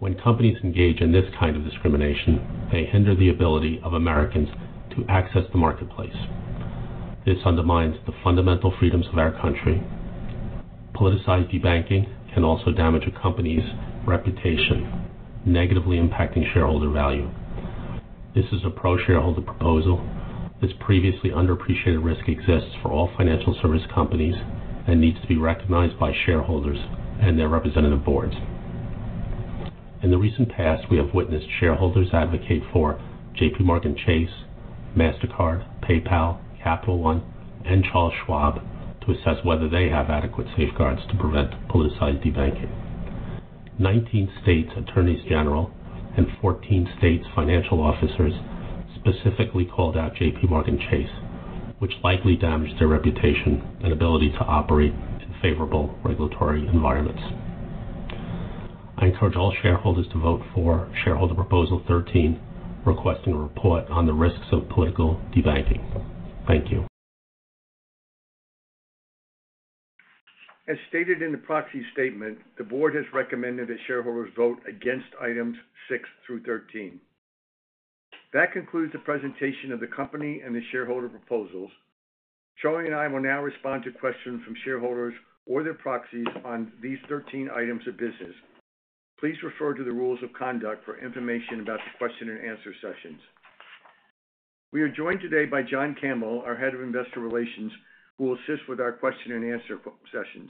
Speaker 4: When companies engage in this kind of discrimination, they hinder the ability of Americans to access the marketplace. This undermines the fundamental freedoms of our country. Politicized debanking can also damage a company's reputation, negatively impacting shareholder value. This is a pro-shareholder proposal. This previously underappreciated risk exists for all financial service companies and needs to be recognized by shareholders and their representative boards. In the recent past, we have witnessed shareholders advocate for JPMorgan Chase, MasterCard, PayPal, Capital One, and Charles Schwab to assess whether they have adequate safeguards to prevent politicized debanking. 19 states' attorneys general and 14 states' financial officers specifically called out JPMorgan Chase, which likely damage their reputation and ability to operate in favorable regulatory environments. I encourage all shareholders to vote for shareholder Proposal 13, requesting a report on the risks of political debanking. Thank you.
Speaker 2: As stated in the proxy statement, the board has recommended that shareholders vote against items six through 13. That concludes the presentation of the company and the shareholder proposals. Charlie and I will now respond to questions from shareholders or their proxies on these 13 items of business. Please refer to the rules of conduct for information about the question and answer sessions. We are joined today by John Campbell, our Head of Investor Relations, who will assist with our question and answer sessions.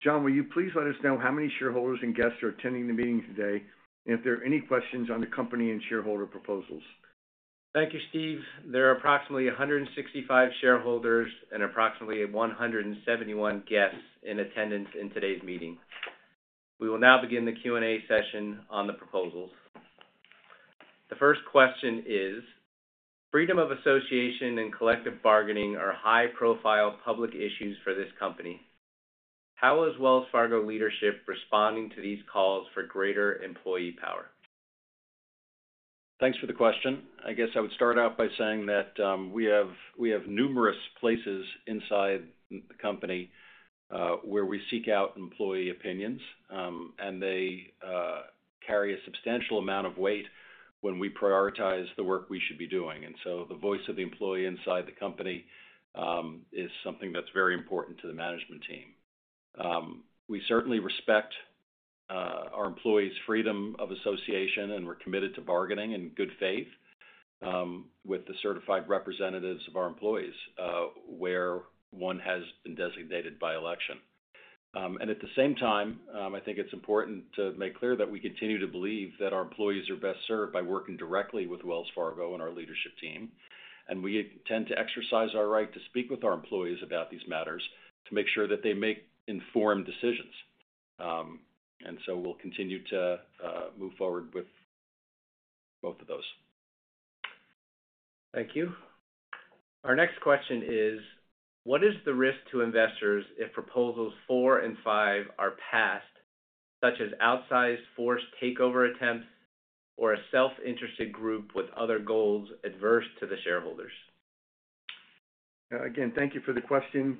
Speaker 2: John, will you please let us know how many shareholders and guests are attending the meeting today, and if there are any questions on the company and shareholder proposals?
Speaker 8: Thank you, Steve. There are approximately 165 shareholders and approximately 171 guests in attendance in today's meeting. We will now begin the Q&A session on the proposals. The first question is: freedom of association and collective bargaining are high-profile public issues for this company. How is Wells Fargo leadership responding to these calls for greater employee power?
Speaker 9: Thanks for the question. I guess I would start out by saying that we have numerous places inside the company where we seek out employee opinions, and they carry a substantial amount of weight when we prioritize the work we should be doing. And so the voice of the employee inside the company is something that's very important to the management team. We certainly respect our employees' freedom of association, and we're committed to bargaining in good faith with the certified representatives of our employees where one has been designated by election. And at the same time, I think it's important to make clear that we continue to believe that our employees are best served by working directly with Wells Fargo and our leadership team, and we intend to exercise our right to speak with our employees about these matters to make sure that they make informed decisions. And so we'll continue to move forward with both of those.
Speaker 8: Thank you. Our next question is: what is the risk to investors if proposals 4 and 5 are passed, such as outsized forced takeover attempts or a self-interested group with other goals adverse to the shareholders?
Speaker 2: Again, thank you for the question.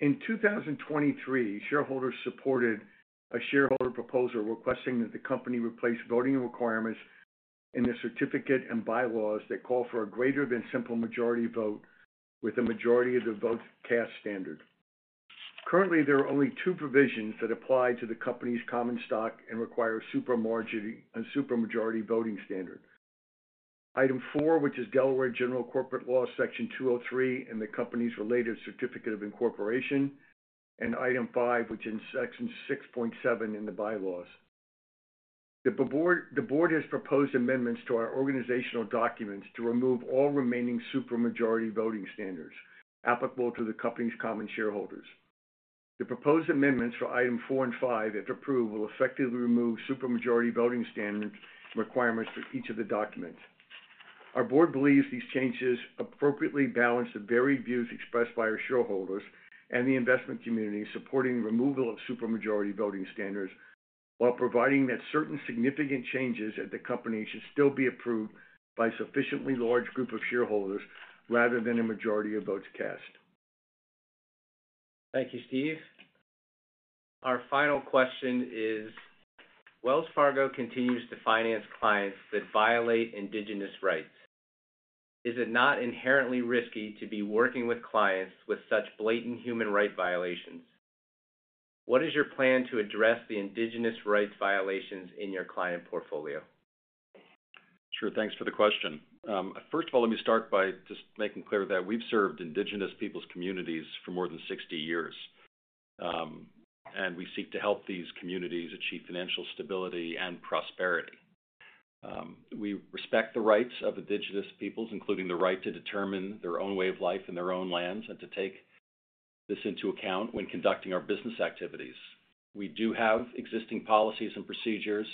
Speaker 2: In 2023, shareholders supported a shareholder proposal requesting that the company replace voting requirements in the certificate and bylaws that call for a greater than simple majority vote with a majority of the votes cast standard. Currently, there are only two provisions that apply to the company's common stock and require a supermajority voting standard. Item 4, which is Delaware General Corporation Law, Section 203, and the company's related certificate of incorporation, and Item 5, which in Section 6.7 in the bylaws. The board has proposed amendments to our organizational documents to remove all remaining supermajority voting standards applicable to the company's common shareholders. The proposed amendments for Item 4 and 5, if approved, will effectively remove supermajority voting standard requirements for each of the documents. Our board believes these changes appropriately balance the varied views expressed by our shareholders and the investment community, supporting removal of supermajority voting standards, while providing that certain significant changes at the company should still be approved by a sufficiently large group of shareholders rather than a majority of votes cast.
Speaker 8: Thank you, Steve. Our final question is: Wells Fargo continues to finance clients that violate indigenous rights. Is it not inherently risky to be working with clients with such blatant human rights violations? What is your plan to address the indigenous rights violations in your client portfolio?
Speaker 9: Sure. Thanks for the question. First of all, let me start by just making clear that we've served Indigenous people's communities for more than 60 years, and we seek to help these communities achieve financial stability and prosperity. We respect the rights of Indigenous peoples, including the right to determine their own way of life in their own lands, and to take this into account when conducting our business activities. We do have existing policies and procedures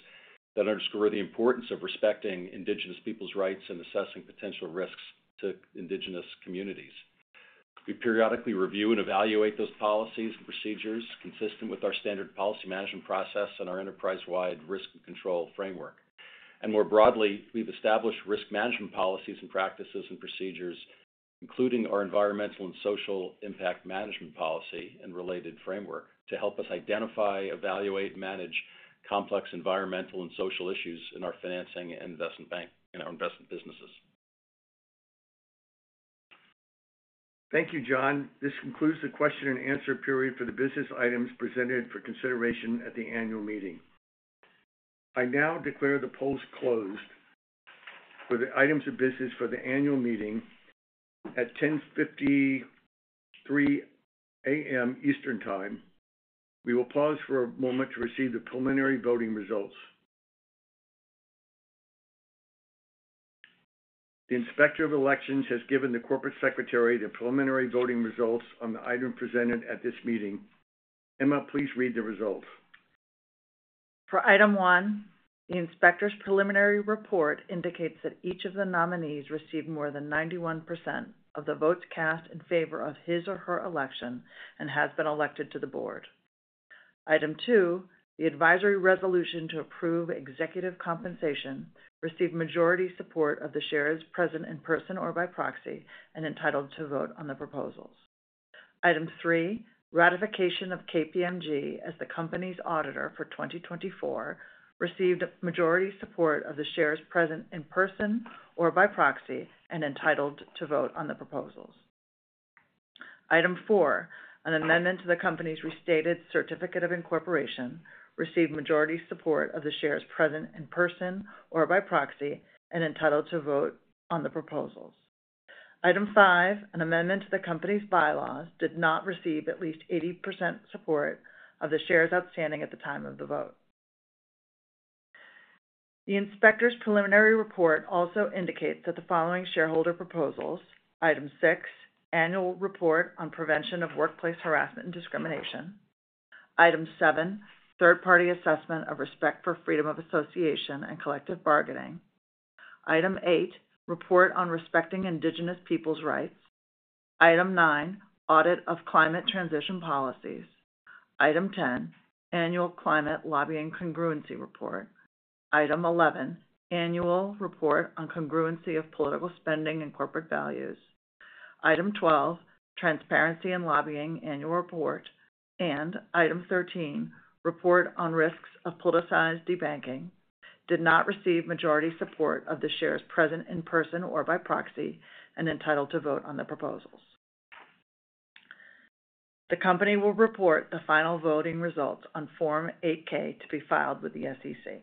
Speaker 9: that underscore the importance of respecting Indigenous people's rights and assessing potential risks to Indigenous communities. We periodically review and evaluate those policies and procedures consistent with our standard policy management process and our enterprise-wide risk and control framework. More broadly, we've established risk management policies and practices, and procedures, including our Environmental and Social Impact Management Policy and related framework, to help us identify, evaluate, manage complex environmental and social issues in our financing and investment bank, in our investment businesses.
Speaker 2: Thank you, John. This concludes the question and answer period for the business items presented for consideration at the annual meeting. I now declare the polls closed for the items of business for the annual meeting at 10:53 A.M. Eastern Time. We will pause for a moment to receive the preliminary voting results. The Inspector of Elections has given the corporate secretary the preliminary voting results on the item presented at this meeting. Emma, please read the results.
Speaker 3: ...For Item 1, the inspector's preliminary report indicates that each of the nominees received more than 91% of the votes cast in favor of his or her election and has been elected to the board. Item 2, the advisory resolution to approve executive compensation, received majority support of the shares present in person or by proxy and entitled to vote on the proposals. Item 3, ratification of KPMG as the company's auditor for 2024, received majority support of the shares present in person or by proxy and entitled to vote on the proposals. Item 4, an amendment to the company's restated certificate of incorporation, received majority support of the shares present in person or by proxy and entitled to vote on the proposals. Item 5, an amendment to the company's bylaws, did not receive at least 80% support of the shares outstanding at the time of the vote. The inspector's preliminary report also indicates that the following shareholder proposals, Item 6, Annual Report on Prevention of Workplace Harassment and Discrimination, Item 7, Third Party Assessment of Respect for Freedom of Association and Collective Bargaining, Item 8, Report on Respecting Indigenous People's Rights, Item 9, Audit of Climate Transition Policies, Item 10, Annual Climate Lobbying Congruency Report, Item 11, Annual Report on Congruency of Political Spending and Corporate Values, Item 11, Transparency and Lobbying Annual Report, and Item 11, Report on Risks of Politicized Debanking, did not receive majority support of the shares present in person or by proxy and entitled to vote on the proposals. The company will report the final voting results on Form 8-K to be filed with the SEC.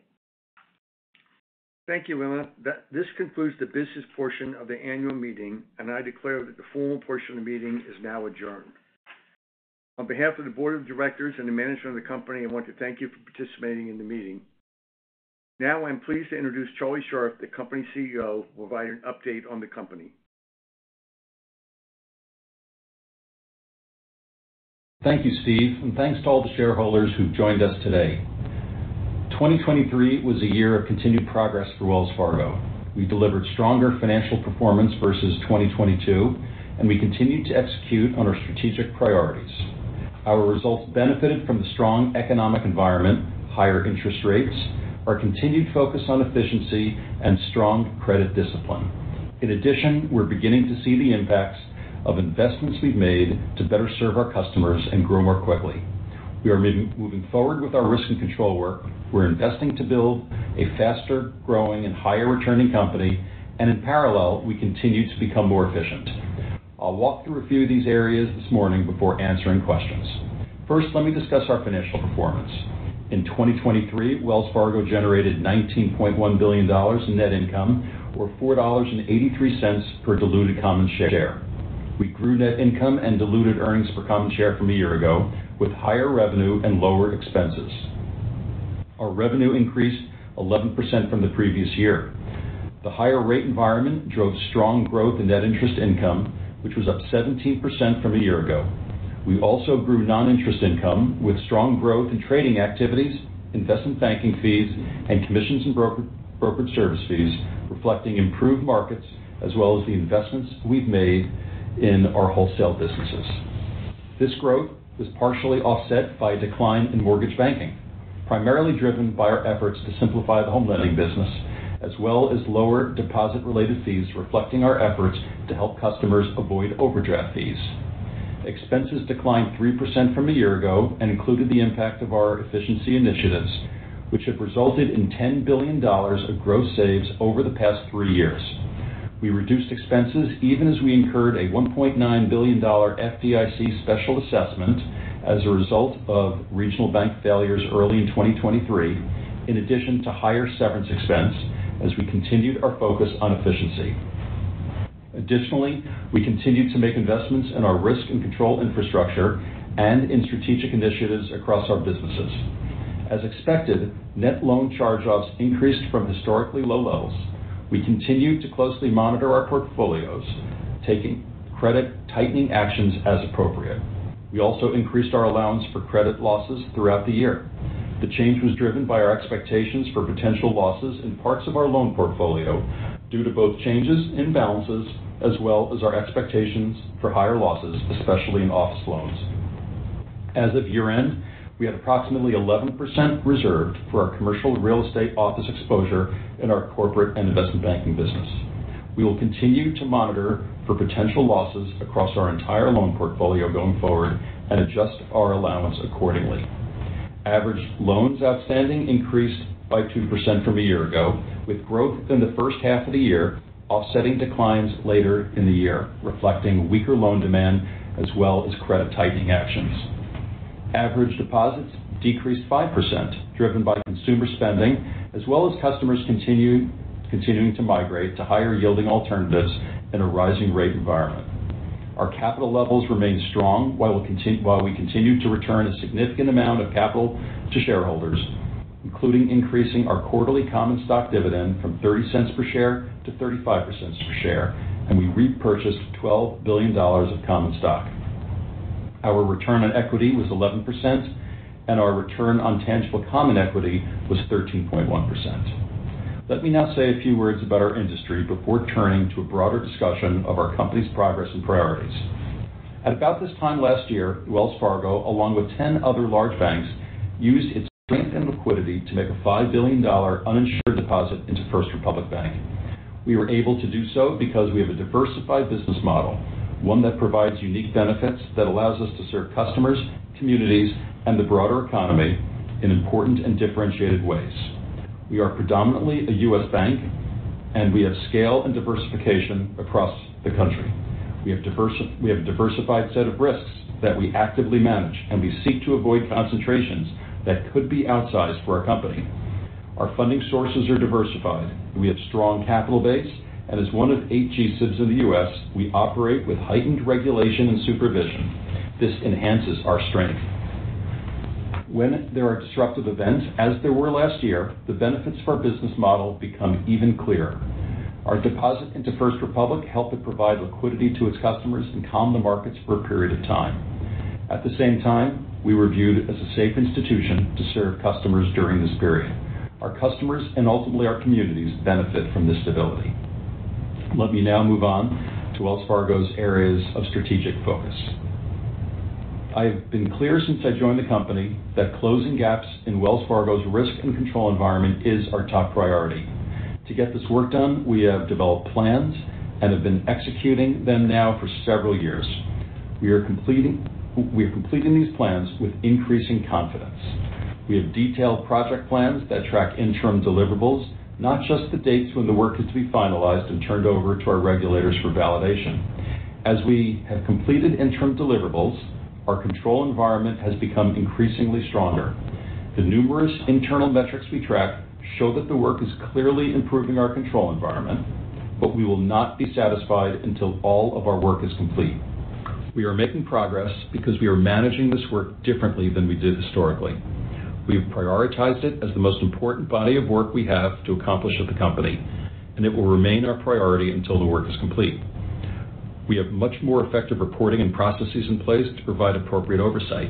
Speaker 2: Thank you, Emma. This concludes the business portion of the annual meeting, and I declare that the formal portion of the meeting is now adjourned. On behalf of the board of directors and the management of the company, I want to thank you for participating in the meeting. Now, I'm pleased to introduce Charlie Scharf, the company's CEO, to provide an update on the company.
Speaker 9: Thank you, Steve, and thanks to all the shareholders who've joined us today. 2023 was a year of continued progress for Wells Fargo. We delivered stronger financial performance versus 2022, and we continued to execute on our strategic priorities. Our results benefited from the strong economic environment, higher interest rates, our continued focus on efficiency, and strong credit discipline. In addition, we're beginning to see the impacts of investments we've made to better serve our customers and grow more quickly. We are moving forward with our risk and control work. We're investing to build a faster, growing and higher-returning company, and in parallel, we continue to become more efficient. I'll walk through a few of these areas this morning before answering questions. First, let me discuss our financial performance. In 2023, Wells Fargo generated $19.1 billion in net income, or $4.83 per diluted common share. We grew net income and diluted earnings per common share from a year ago, with higher revenue and lower expenses. Our revenue increased 11% from the previous year. The higher rate environment drove strong growth in net interest income, which was up 17% from a year ago. We also grew non-interest income with strong growth in trading activities, investment banking fees, and commissions and brokerage service fees, reflecting improved markets as well as the investments we've made in our wholesale businesses. This growth was partially offset by a decline in mortgage banking, primarily driven by our efforts to simplify the home lending business, as well as lower deposit-related fees, reflecting our efforts to help customers avoid overdraft fees. Expenses declined 3% from a year ago and included the impact of our efficiency initiatives, which have resulted in $10 billion of gross saves over the past three years. We reduced expenses even as we incurred a $1.9 billion FDIC special assessment as a result of regional bank failures early in 2023, in addition to higher severance expense as we continued our focus on efficiency. Additionally, we continued to make investments in our risk and control infrastructure and in strategic initiatives across our businesses. As expected, net loan charge-offs increased from historically low levels. We continued to closely monitor our portfolios, taking credit tightening actions as appropriate. We also increased our allowance for credit losses throughout the year. The change was driven by our expectations for potential losses in parts of our loan portfolio due to both changes in balances as well as our expectations for higher losses, especially in office loans. As of year-end, we had approximately 11% reserved for our commercial real estate office exposure in our Corporate and Investment Banking business. We will continue to monitor for potential losses across our entire loan portfolio going forward and adjust our allowance accordingly. Average loans outstanding increased by 2% from a year ago, with growth in the first half of the year, offsetting declines later in the year, reflecting weaker loan demand as well as credit tightening actions. Average deposits decreased 5%, driven by consumer spending, as well as customers continuing to migrate to higher-yielding alternatives in a rising rate environment. Our capital levels remain strong, while we continued to return a significant amount of capital to shareholders, including increasing our quarterly common stock dividend from $0.30 per share to $0.35 per share, and we repurchased $12 billion of common stock. Our return on equity was 11%, and our return on tangible common equity was 13.1%. Let me now say a few words about our industry before turning to a broader discussion of our company's progress and priorities. At about this time last year, Wells Fargo, along with 10 other large banks, used its strength and liquidity to make a $5 billion uninsured deposit into First Republic Bank. We were able to do so because we have a diversified business model, one that provides unique benefits that allows us to serve customers, communities, and the broader economy in important and differentiated ways. We are predominantly a U.S. bank, and we have scale and diversification across the country. We have a diversified set of risks that we actively manage, and we seek to avoid concentrations that could be outsized for our company. Our funding sources are diversified, we have strong capital base, and as one of eight GSIBs in the U.S., we operate with heightened regulation and supervision. This enhances our strength. When there are disruptive events, as there were last year, the benefits of our business model become even clearer. Our deposit into First Republic helped it provide liquidity to its customers and calm the markets for a period of time. At the same time, we were viewed as a safe institution to serve customers during this period. Our customers, and ultimately our communities, benefit from this stability. Let me now move on to Wells Fargo's areas of strategic focus. I've been clear since I joined the company that closing gaps in Wells Fargo's risk and control environment is our top priority. To get this work done, we have developed plans and have been executing them now for several years. We are completing these plans with increasing confidence. We have detailed project plans that track interim deliverables, not just the dates when the work is to be finalized and turned over to our regulators for validation. As we have completed interim deliverables, our control environment has become increasingly stronger. The numerous internal metrics we track show that the work is clearly improving our control environment, but we will not be satisfied until all of our work is complete. We are making progress because we are managing this work differently than we did historically. We've prioritized it as the most important body of work we have to accomplish at the company, and it will remain our priority until the work is complete. We have much more effective reporting and processes in place to provide appropriate oversight.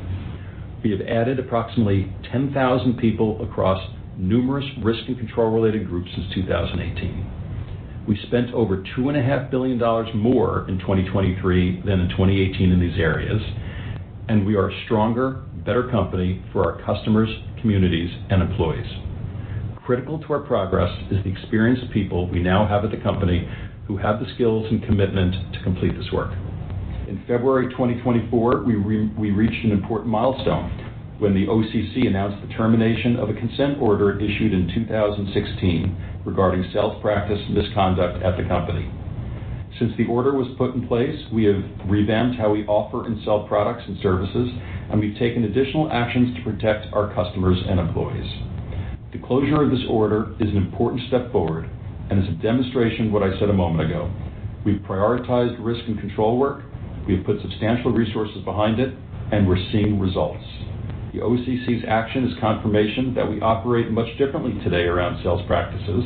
Speaker 9: We have added approximately 10,000 people across numerous risk and control-related groups since 2018. We spent over $2.5 billion more in 2023 than in 2018 in these areas, and we are a stronger, better company for our customers, communities, and employees. Critical to our progress is the experienced people we now have at the company, who have the skills and commitment to complete this work. In February 2024, we reached an important milestone when the OCC announced the termination of a consent order issued in 2016 regarding sales practice misconduct at the company. Since the order was put in place, we have revamped how we offer and sell products and services, and we've taken additional actions to protect our customers and employees. The closure of this order is an important step forward and is a demonstration of what I said a moment ago. We've prioritized risk and control work, we have put substantial resources behind it, and we're seeing results. The OCC's action is confirmation that we operate much differently today around sales practices,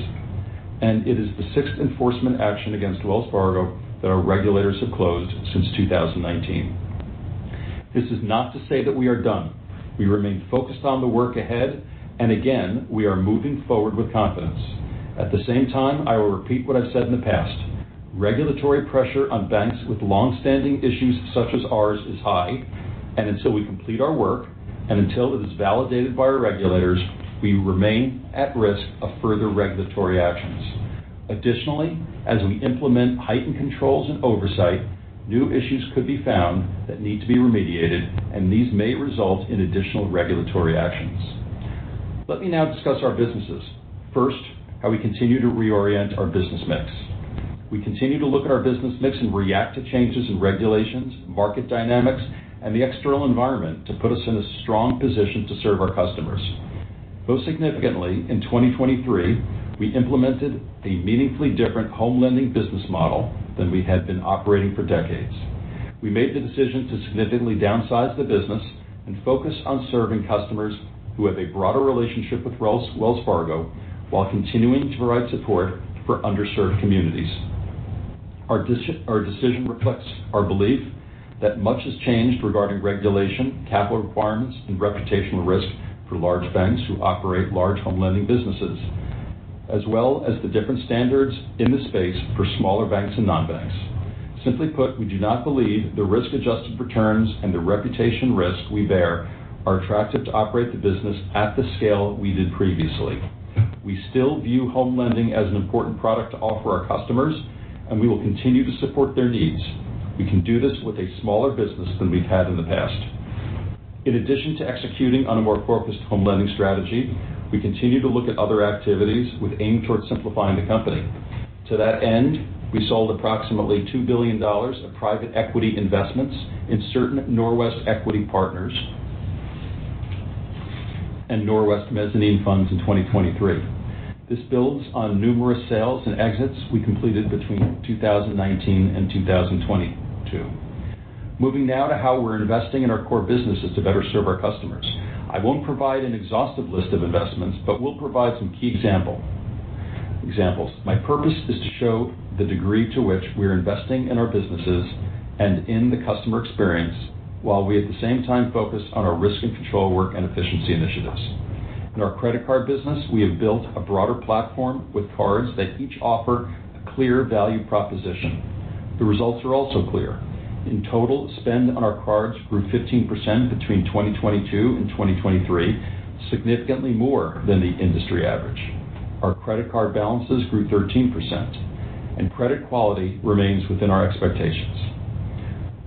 Speaker 9: and it is the sixth enforcement action against Wells Fargo that our regulators have closed since 2019. This is not to say that we are done. We remain focused on the work ahead, and again, we are moving forward with confidence. At the same time, I will repeat what I've said in the past: regulatory pressure on banks with long-standing issues, such as ours, is high, and until we complete our work, and until it is validated by our regulators, we remain at risk of further regulatory actions. Additionally, as we implement heightened controls and oversight, new issues could be found that need to be remediated, and these may result in additional regulatory actions. Let me now discuss our businesses. First, how we continue to reorient our business mix. We continue to look at our business mix and react to changes in regulations, market dynamics, and the external environment to put us in a strong position to serve our customers. Most significantly, in 2023, we implemented a meaningfully different home lending business model than we had been operating for decades. We made the decision to significantly downsize the business and focus on serving customers who have a broader relationship with Wells Fargo, while continuing to provide support for underserved communities. Our decision reflects our belief that much has changed regarding regulation, capital requirements, and reputational risk for large banks who operate large home lending businesses, as well as the different standards in this space for smaller banks and non-banks. Simply put, we do not believe the risk-adjusted returns and the reputation risk we bear are attractive to operate the business at the scale we did previously. We still view home lending as an important product to offer our customers, and we will continue to support their needs. We can do this with a smaller business than we've had in the past. In addition to executing on a more focused home lending strategy, we continue to look at other activities with aim towards simplifying the company. To that end, we sold approximately $2 billion of private equity investments in certain Norwest Equity Partners and Norwest Mezzanine funds in 2023. This builds on numerous sales and exits we completed between 2019 and 2022. Moving now to how we're investing in our core businesses to better serve our customers. I won't provide an exhaustive list of investments, but we'll provide some key examples. My purpose is to show the degree to which we are investing in our businesses and in the customer experience, while we, at the same time, focus on our risk and control work and efficiency initiatives. In our credit card business, we have built a broader platform with cards that each offer a clear value proposition. The results are also clear. In total, spend on our cards grew 15% between 2022 and 2023, significantly more than the industry average. Our credit card balances grew 13%, and credit quality remains within our expectations.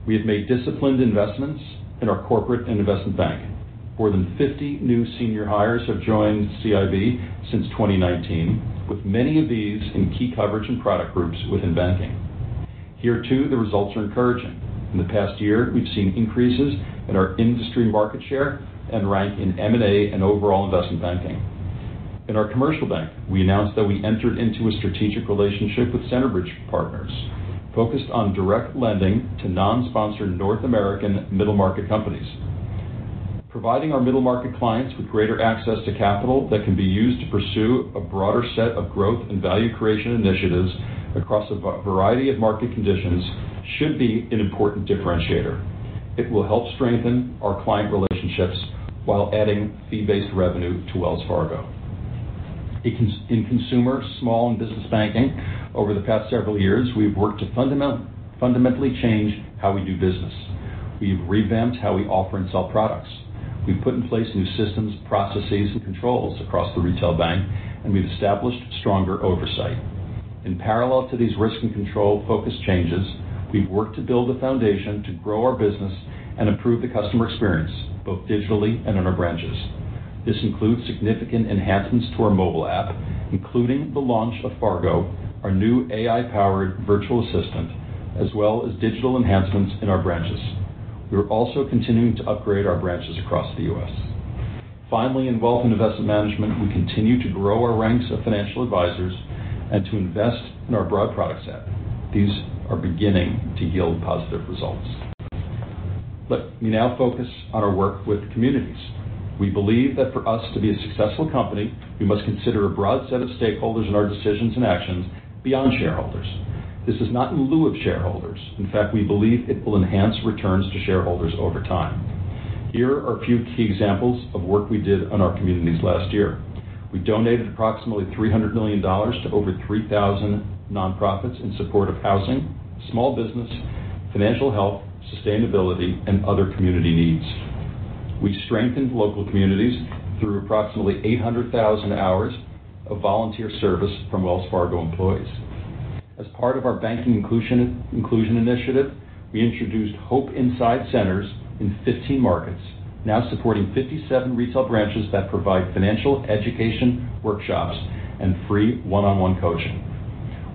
Speaker 9: We have made disciplined investments in our corporate and investment banking. More than 50 new senior hires have joined CIB since 2019, with many of these in key coverage and product groups within banking. Here, too, the results are encouraging. In the past year, we've seen increases in our industry market share and rank in M&A and overall investment banking. In our commercial bank, we announced that we entered into a strategic relationship with Centerbridge Partners, focused on direct lending to non-sponsored North American middle-market companies. Providing our middle-market clients with greater access to capital that can be used to pursue a broader set of growth and value creation initiatives across a variety of market conditions, should be an important differentiator. It will help strengthen our client relationships while adding fee-based revenue to Wells Fargo. In Consumer, Small and Business Banking, over the past several years, we've worked to fundamentally change how we do business. We've revamped how we offer and sell products. We've put in place new systems, processes, and controls across the retail bank, and we've established stronger oversight. In parallel to these risk and control-focused changes, we've worked to build a foundation to grow our business and improve the customer experience, both digitally and in our branches. This includes significant enhancements to our mobile app, including the launch of Fargo, our new AI-powered virtual assistant, as well as digital enhancements in our branches. We're also continuing to upgrade our branches across the U.S. Finally, in Wealth and Investment Management, we continue to grow our ranks of financial advisors and to invest in our broad product set. These are beginning to yield positive results. Let me now focus on our work with communities. We believe that for us to be a successful company, we must consider a broad set of stakeholders in our decisions and actions beyond shareholders. This is not in lieu of shareholders. In fact, we believe it will enhance returns to shareholders over time. Here are a few key examples of work we did on our communities last year. We donated approximately $300 million to over 3,000 nonprofits in support of housing, small business, financial health, sustainability, and other community needs. We strengthened local communities through approximately 800,000 hours of volunteer service from Wells Fargo employees. As part of our Banking Inclusion Initiative, we introduced HOPE Inside centers in 15 markets, now supporting 57 retail branches that provide financial education workshops and free one-on-one coaching.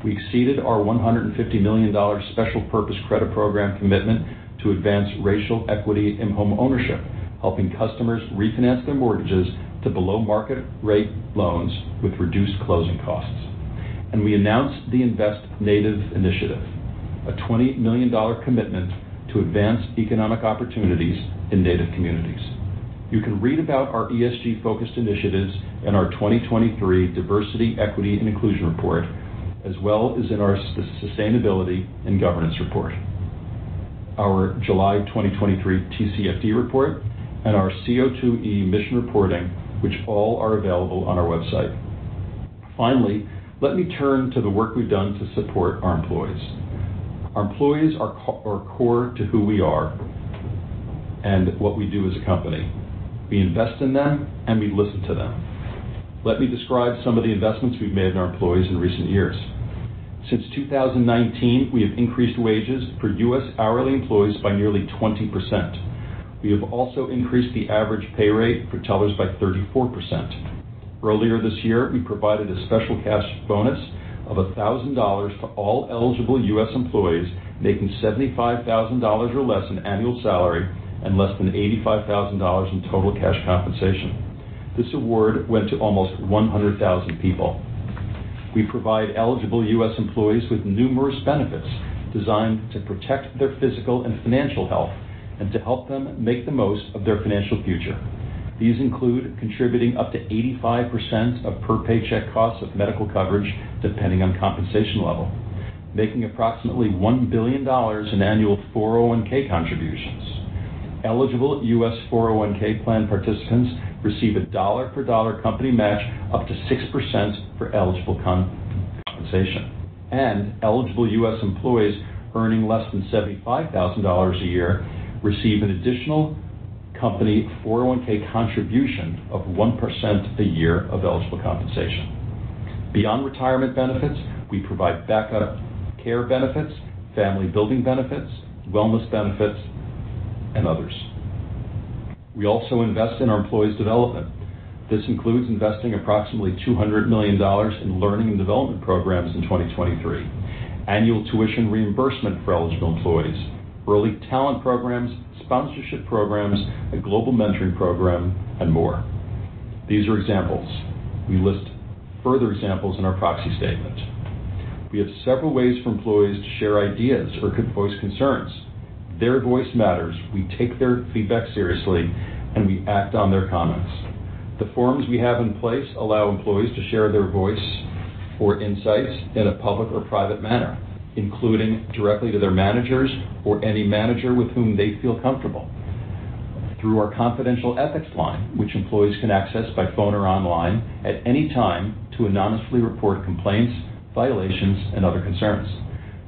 Speaker 9: We exceeded our $150 million special purpose credit program commitment to advance racial equity in homeownership, helping customers refinance their mortgages to below-market rate loans with reduced closing costs. We announced the Invest Native Initiative, a $20 million commitment to advance economic opportunities in Native communities. You can read about our ESG-focused initiatives in our 2023 Diversity, Equity, and Inclusion Report, as well as in our Sustainability and Governance Report, our July 2023 TCFD report, and our CO2e emission reporting, which all are available on our website. Finally, let me turn to the work we've done to support our employees. Our employees are core to who we are and what we do as a company. We invest in them, and we listen to them. Let me describe some of the investments we've made in our employees in recent years. Since 2019, we have increased wages for U.S. hourly employees by nearly 20%. We have also increased the average pay rate for tellers by 34%. Earlier this year, we provided a special cash bonus of $1,000 to all eligible U.S. employees making $75,000 or less in annual salary and less than $85,000 in total cash compensation. This award went to almost 100,000 people. We provide eligible U.S. employees with numerous benefits designed to protect their physical and financial health and to help them make the most of their financial future. These include contributing up to 85% of per paycheck costs of medical coverage, depending on compensation level, making approximately $1 billion in annual 401(k) contributions. Eligible U.S. 401(k) plan participants receive a dollar-for-dollar company match up to 6% for eligible compensation, and eligible U.S. employees earning less than $75,000 a year receive an additional company 401(k) contribution of 1% a year of eligible compensation. Beyond retirement benefits, we provide backup care benefits, family-building benefits, wellness benefits, and others. We also invest in our employees' development. This includes investing approximately $200 million in learning and development programs in 2023, annual tuition reimbursement for eligible employees, early talent programs, sponsorship programs, a global mentoring program, and more. These are examples. We list further examples in our proxy statement. We have several ways for employees to share ideas or voice concerns. Their voice matters. We take their feedback seriously, and we act on their comments. The forums we have in place allow employees to share their voice or insights in a public or private manner, including directly to their managers or any manager with whom they feel comfortable. Through our confidential ethics line, which employees can access by phone or online at any time to anonymously report complaints, violations, and other concerns.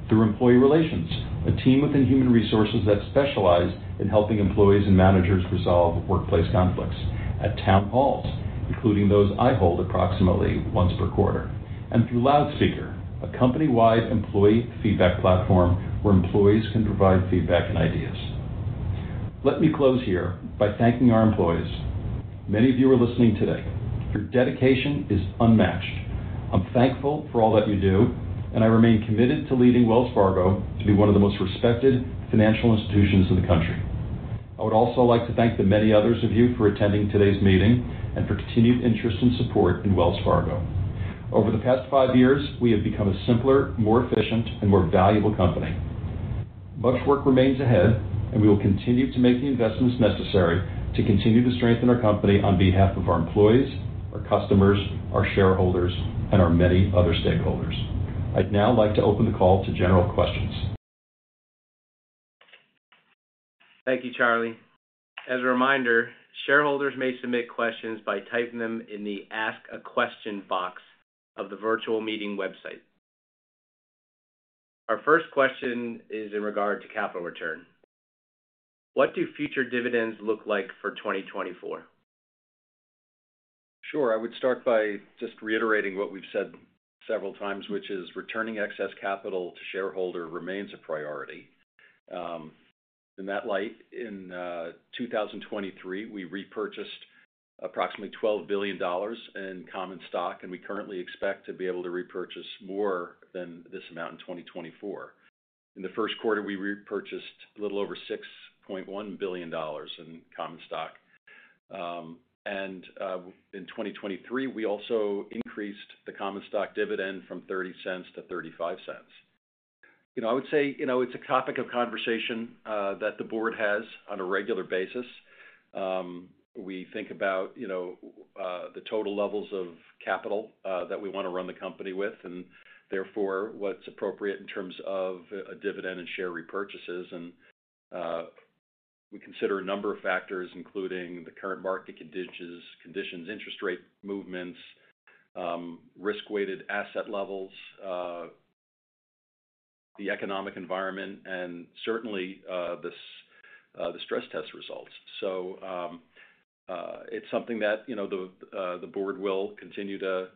Speaker 9: Through Employee Relations, a team within human resources that specialize in helping employees and managers resolve workplace conflicts. At town halls, including those I hold approximately once per quarter, and through Loudspeaker, a company-wide employee feedback platform where employees can provide feedback and ideas. Let me close here by thanking our employees. Many of you are listening today. Your dedication is unmatched. I'm thankful for all that you do, and I remain committed to leading Wells Fargo to be one of the most respected financial institutions in the country. I would also like to thank the many others of you for attending today's meeting and for continued interest and support in Wells Fargo. Over the past five years, we have become a simpler, more efficient, and more valuable company. Much work remains ahead, and we will continue to make the investments necessary to continue to strengthen our company on behalf of our employees, our customers, our shareholders, and our many other stakeholders. I'd now like to open the call to general questions.
Speaker 8: Thank you, Charlie. As a reminder, shareholders may submit questions by typing them in the Ask a Question box of the virtual meeting website. Our first question is in regard to capital return. What do future dividends look like for 2024?
Speaker 9: Sure. I would start by just reiterating what we've said several times, which is returning excess capital to shareholder remains a priority. In that light, in 2023, we repurchased approximately $12 billion in common stock, and we currently expect to be able to repurchase more than this amount in 2024. In the first quarter, we repurchased a little over $6.1 billion in common stock. In 2023, we also increased the common stock dividend from $0.30-0.35. You know, I would say, you know, it's a topic of conversation that the board has on a regular basis. We think about, you know, the total levels of capital that we want to run the company with, and therefore, what's appropriate in terms of a dividend and share repurchases. We consider a number of factors, including the current market conditions, interest rate movements, risk-weighted asset levels, the economic environment, and certainly the stress test results. So, it's something that, you know, the board will continue to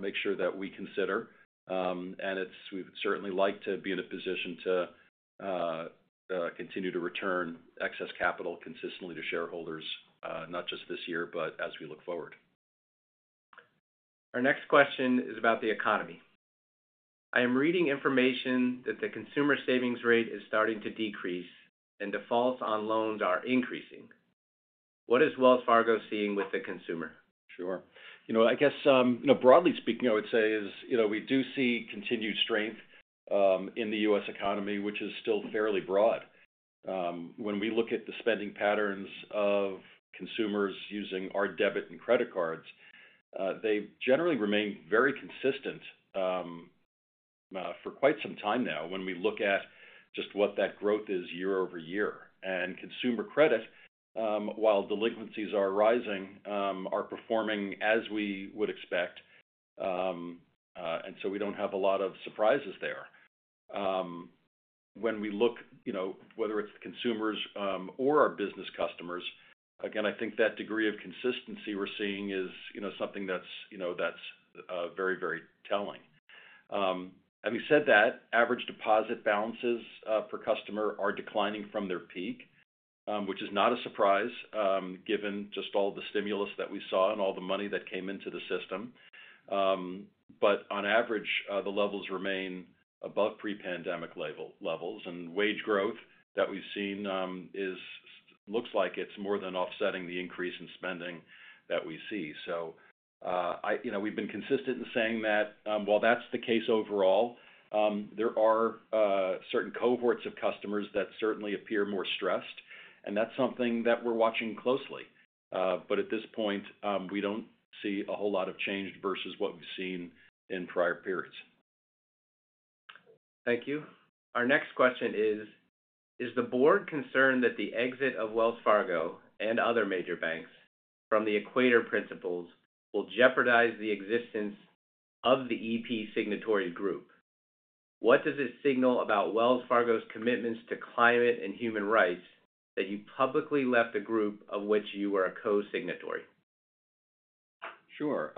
Speaker 9: make sure that we consider, and it's, we'd certainly like to be in a position to continue to return excess capital consistently to shareholders, not just this year, but as we look forward.
Speaker 8: Our next question is about the economy. I am reading information that the consumer savings rate is starting to decrease and defaults on loans are increasing. What is Wells Fargo seeing with the consumer?
Speaker 9: Sure. You know, I guess, you know, broadly speaking, I would say is, you know, we do see continued strength, in the U.S. economy, which is still fairly broad. When we look at the spending patterns of consumers using our debit and credit cards, they generally remain very consistent, for quite some time now, when we look at just what that growth is year-over-year. And consumer credit, while delinquencies are rising, are performing as we would expect, and so we don't have a lot of surprises there. When we look, you know, whether it's consumers, or our business customers, again, I think that degree of consistency we're seeing is, you know, something that's, you know, that's, very, very telling. Having said that, average deposit balances per customer are declining from their peak, which is not a surprise, given just all the stimulus that we saw and all the money that came into the system. But on average, the levels remain above pre-pandemic levels, and wage growth that we've seen looks like it's more than offsetting the increase in spending that we see. So, I... You know, we've been consistent in saying that, while that's the case overall, there are certain cohorts of customers that certainly appear more stressed, and that's something that we're watching closely. But at this point, we don't see a whole lot of change versus what we've seen in prior periods.
Speaker 8: Thank you. Our next question is: Is the board concerned that the exit of Wells Fargo and other major banks from the Equator Principles will jeopardize the existence of the EP signatory group? What does it signal about Wells Fargo's commitments to climate and human rights, that you publicly left the group of which you were a co-signatory?
Speaker 9: Sure.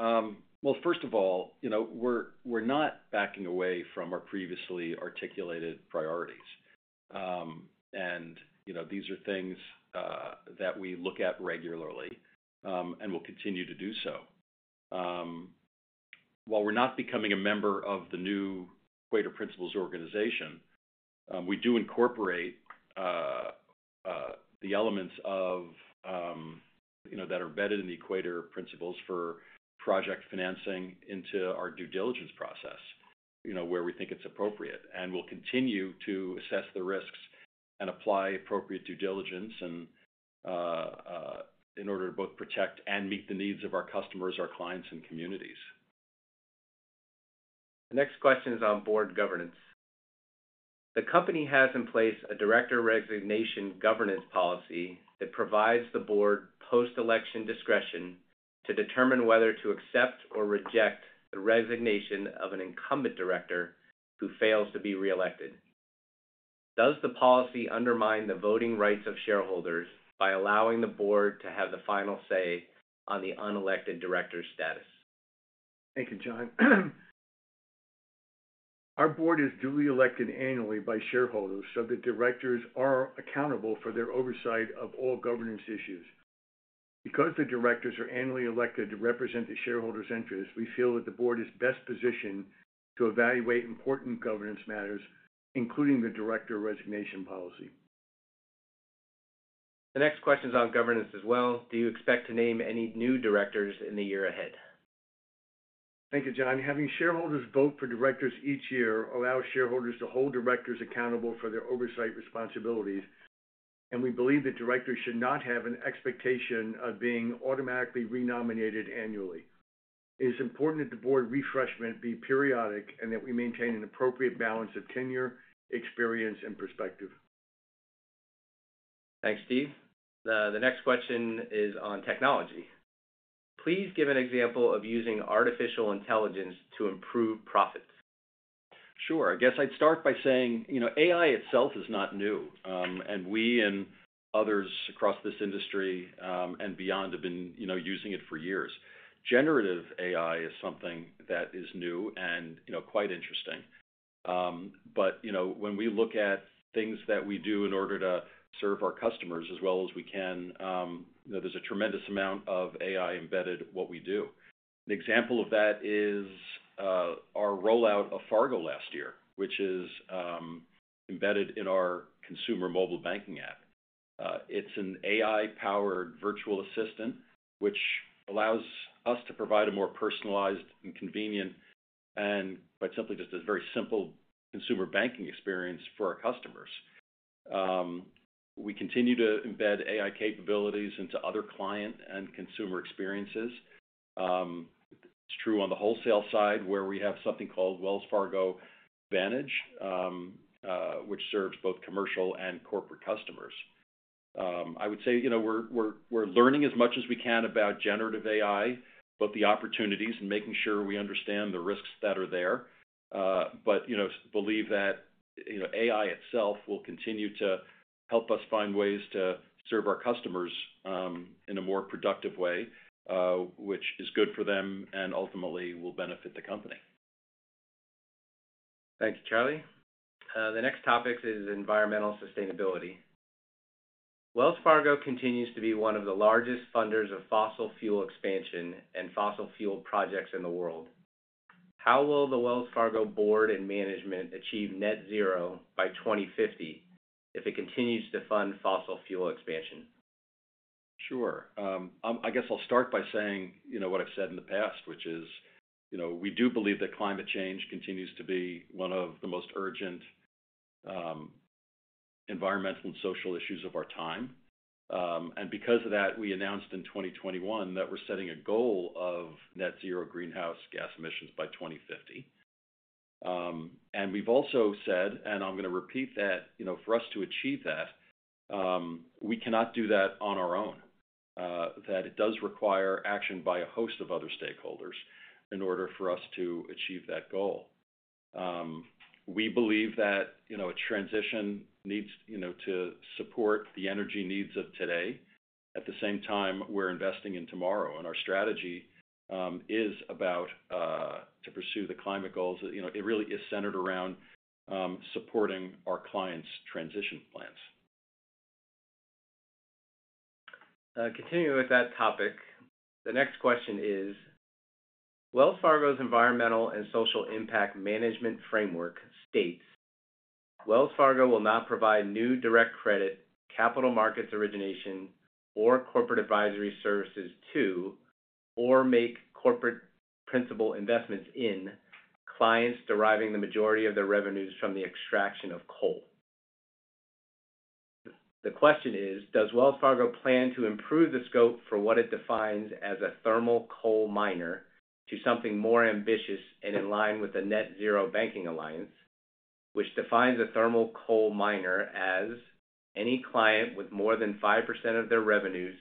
Speaker 9: Well, first of all, you know, we're not backing away from our previously articulated priorities. And, you know, these are things that we look at regularly, and will continue to do so. While we're not becoming a member of the new Equator Principles organization, we do incorporate the elements of, you know, that are embedded in the Equator Principles for project financing into our due diligence process, you know, where we think it's appropriate. And we'll continue to assess the risks and apply appropriate due diligence in order to both protect and meet the needs of our customers, our clients, and communities.
Speaker 8: The next question is on board governance. The company has in place a director resignation governance policy that provides the board post-election discretion to determine whether to accept or reject the resignation of an incumbent director who fails to be reelected. Does the policy undermine the voting rights of shareholders by allowing the board to have the final say on the unelected director's status?
Speaker 2: Thank you, John. Our board is duly elected annually by shareholders, so the directors are accountable for their oversight of all governance issues. Because the directors are annually elected to represent the shareholders' interests, we feel that the board is best positioned to evaluate important governance matters, including the director resignation policy.
Speaker 8: The next question is on governance as well. Do you expect to name any new directors in the year ahead?
Speaker 2: Thank you, John. Having shareholders vote for directors each year allows shareholders to hold directors accountable for their oversight responsibilities, and we believe that directors should not have an expectation of being automatically renominated annually. It is important that the board refreshment be periodic and that we maintain an appropriate balance of tenure, experience, and perspective.
Speaker 8: Thanks, Steve. The next question is on technology. Please give an example of using artificial intelligence to improve profits.
Speaker 9: Sure. I guess I'd start by saying, you know, AI itself is not new, and we and others across this industry, and beyond, have been, you know, using it for years. Generative AI is something that is new and, you know, quite interesting. But, you know, when we look at things that we do in order to serve our customers as well as we can, you know, there's a tremendous amount of AI embedded in what we do. An example of that is our rollout of Fargo last year, which is embedded in our consumer mobile banking app. It's an AI-powered virtual assistant, which allows us to provide a more personalized and convenient, and quite simply, just a very simple consumer banking experience for our customers. We continue to embed AI capabilities into other client and consumer experiences. It's true on the wholesale side, where we have something called Wells Fargo Advantage, which serves both commercial and corporate customers. I would say, you know, we're learning as much as we can about generative AI, both the opportunities and making sure we understand the risks that are there. But, you know, believe that, you know, AI itself will continue to help us find ways to serve our customers in a more productive way, which is good for them and ultimately will benefit the company.
Speaker 8: Thank you, Charlie. The next topic is environmental sustainability. Wells Fargo continues to be one of the largest funders of fossil fuel expansion and fossil fuel projects in the world. How will the Wells Fargo board and management achieve net zero by 2050 if it continues to fund fossil fuel expansion?
Speaker 9: Sure. I guess I'll start by saying, you know, what I've said in the past, which is, you know, we do believe that climate change continues to be one of the most urgent, environmental and social issues of our time. And because of that, we announced in 2021 that we're setting a goal of net zero greenhouse gas emissions by 2050. And we've also said, and I'm going to repeat that, you know, for us to achieve that, we cannot do that on our own. That it does require action by a host of other stakeholders in order for us to achieve that goal. We believe that, you know, a transition needs, you know, to support the energy needs of today. At the same time, we're investing in tomorrow, and our strategy is about to pursue the climate goals. You know, it really is centered around supporting our clients' transition plans.
Speaker 8: Continuing with that topic, the next question is: Wells Fargo's environmental and social impact management framework states, "Wells Fargo will not provide new direct credit, capital markets origination, or corporate advisory services to, or make corporate principal investments in clients deriving the majority of their revenues from the extraction of coal." The question is, does Wells Fargo plan to improve the scope for what it defines as a thermal coal miner to something more ambitious and in line with the Net-Zero Banking Alliance, which defines a thermal coal miner as any client with more than 5% of their revenues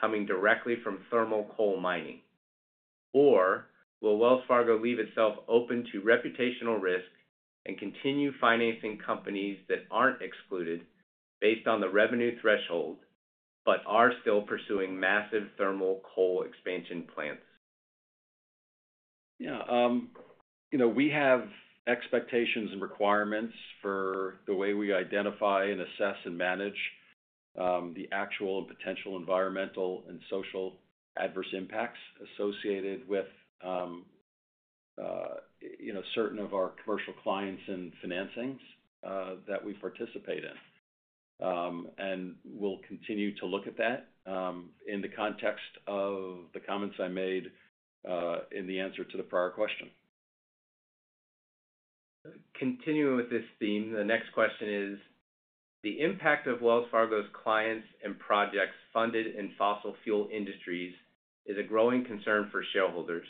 Speaker 8: coming directly from thermal coal mining? Or will Wells Fargo leave itself open to reputational risk and continue financing companies that aren't excluded based on the revenue threshold, but are still pursuing massive thermal coal expansion plans?
Speaker 9: Yeah, you know, we have expectations and requirements for the way we identify and assess and manage the actual and potential environmental and social adverse impacts associated with you know, certain of our commercial clients and financings that we participate in. And we'll continue to look at that in the context of the comments I made in the answer to the prior question.
Speaker 8: Continuing with this theme, the next question is: The impact of Wells Fargo's clients and projects funded in fossil fuel industries is a growing concern for shareholders.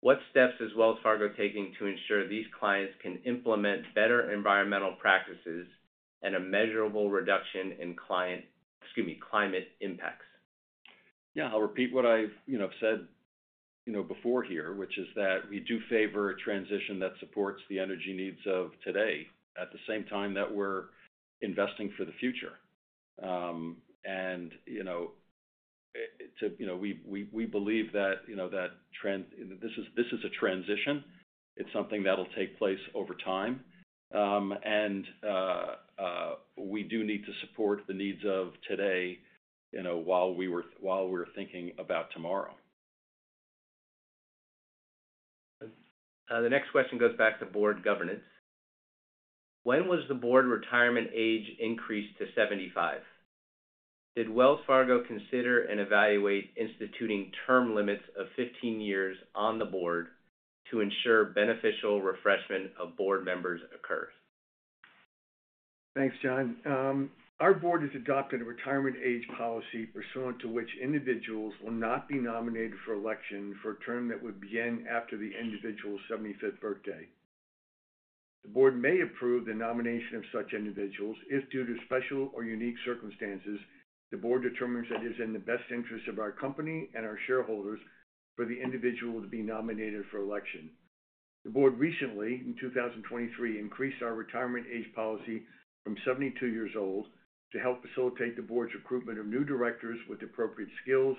Speaker 8: What steps is Wells Fargo taking to ensure these clients can implement better environmental practices and a measurable reduction in client, excuse me, climate impacts?
Speaker 9: Yeah, I'll repeat what I've, you know, said, you know, before here, which is that we do favor a transition that supports the energy needs of today, at the same time that we're investing for the future. And, you know, we believe that, you know, that trend—this is a transition. It's something that'll take place over time. And we do need to support the needs of today, you know, while we're thinking about tomorrow.
Speaker 8: The next question goes back to board governance. When was the board retirement age increased to 75? Did Wells Fargo consider and evaluate instituting term limits of 15 years on the board to ensure beneficial refreshment of board members occurs?
Speaker 2: Thanks, John. Our board has adopted a retirement age policy pursuant to which individuals will not be nominated for election for a term that would begin after the individual's 75th birthday. The board may approve the nomination of such individuals if, due to special or unique circumstances, the board determines that it is in the best interest of our company and our shareholders for the individual to be nominated for election. The board recently, in 2023, increased our retirement age policy from 72 years old to help facilitate the board's recruitment of new directors with appropriate skills,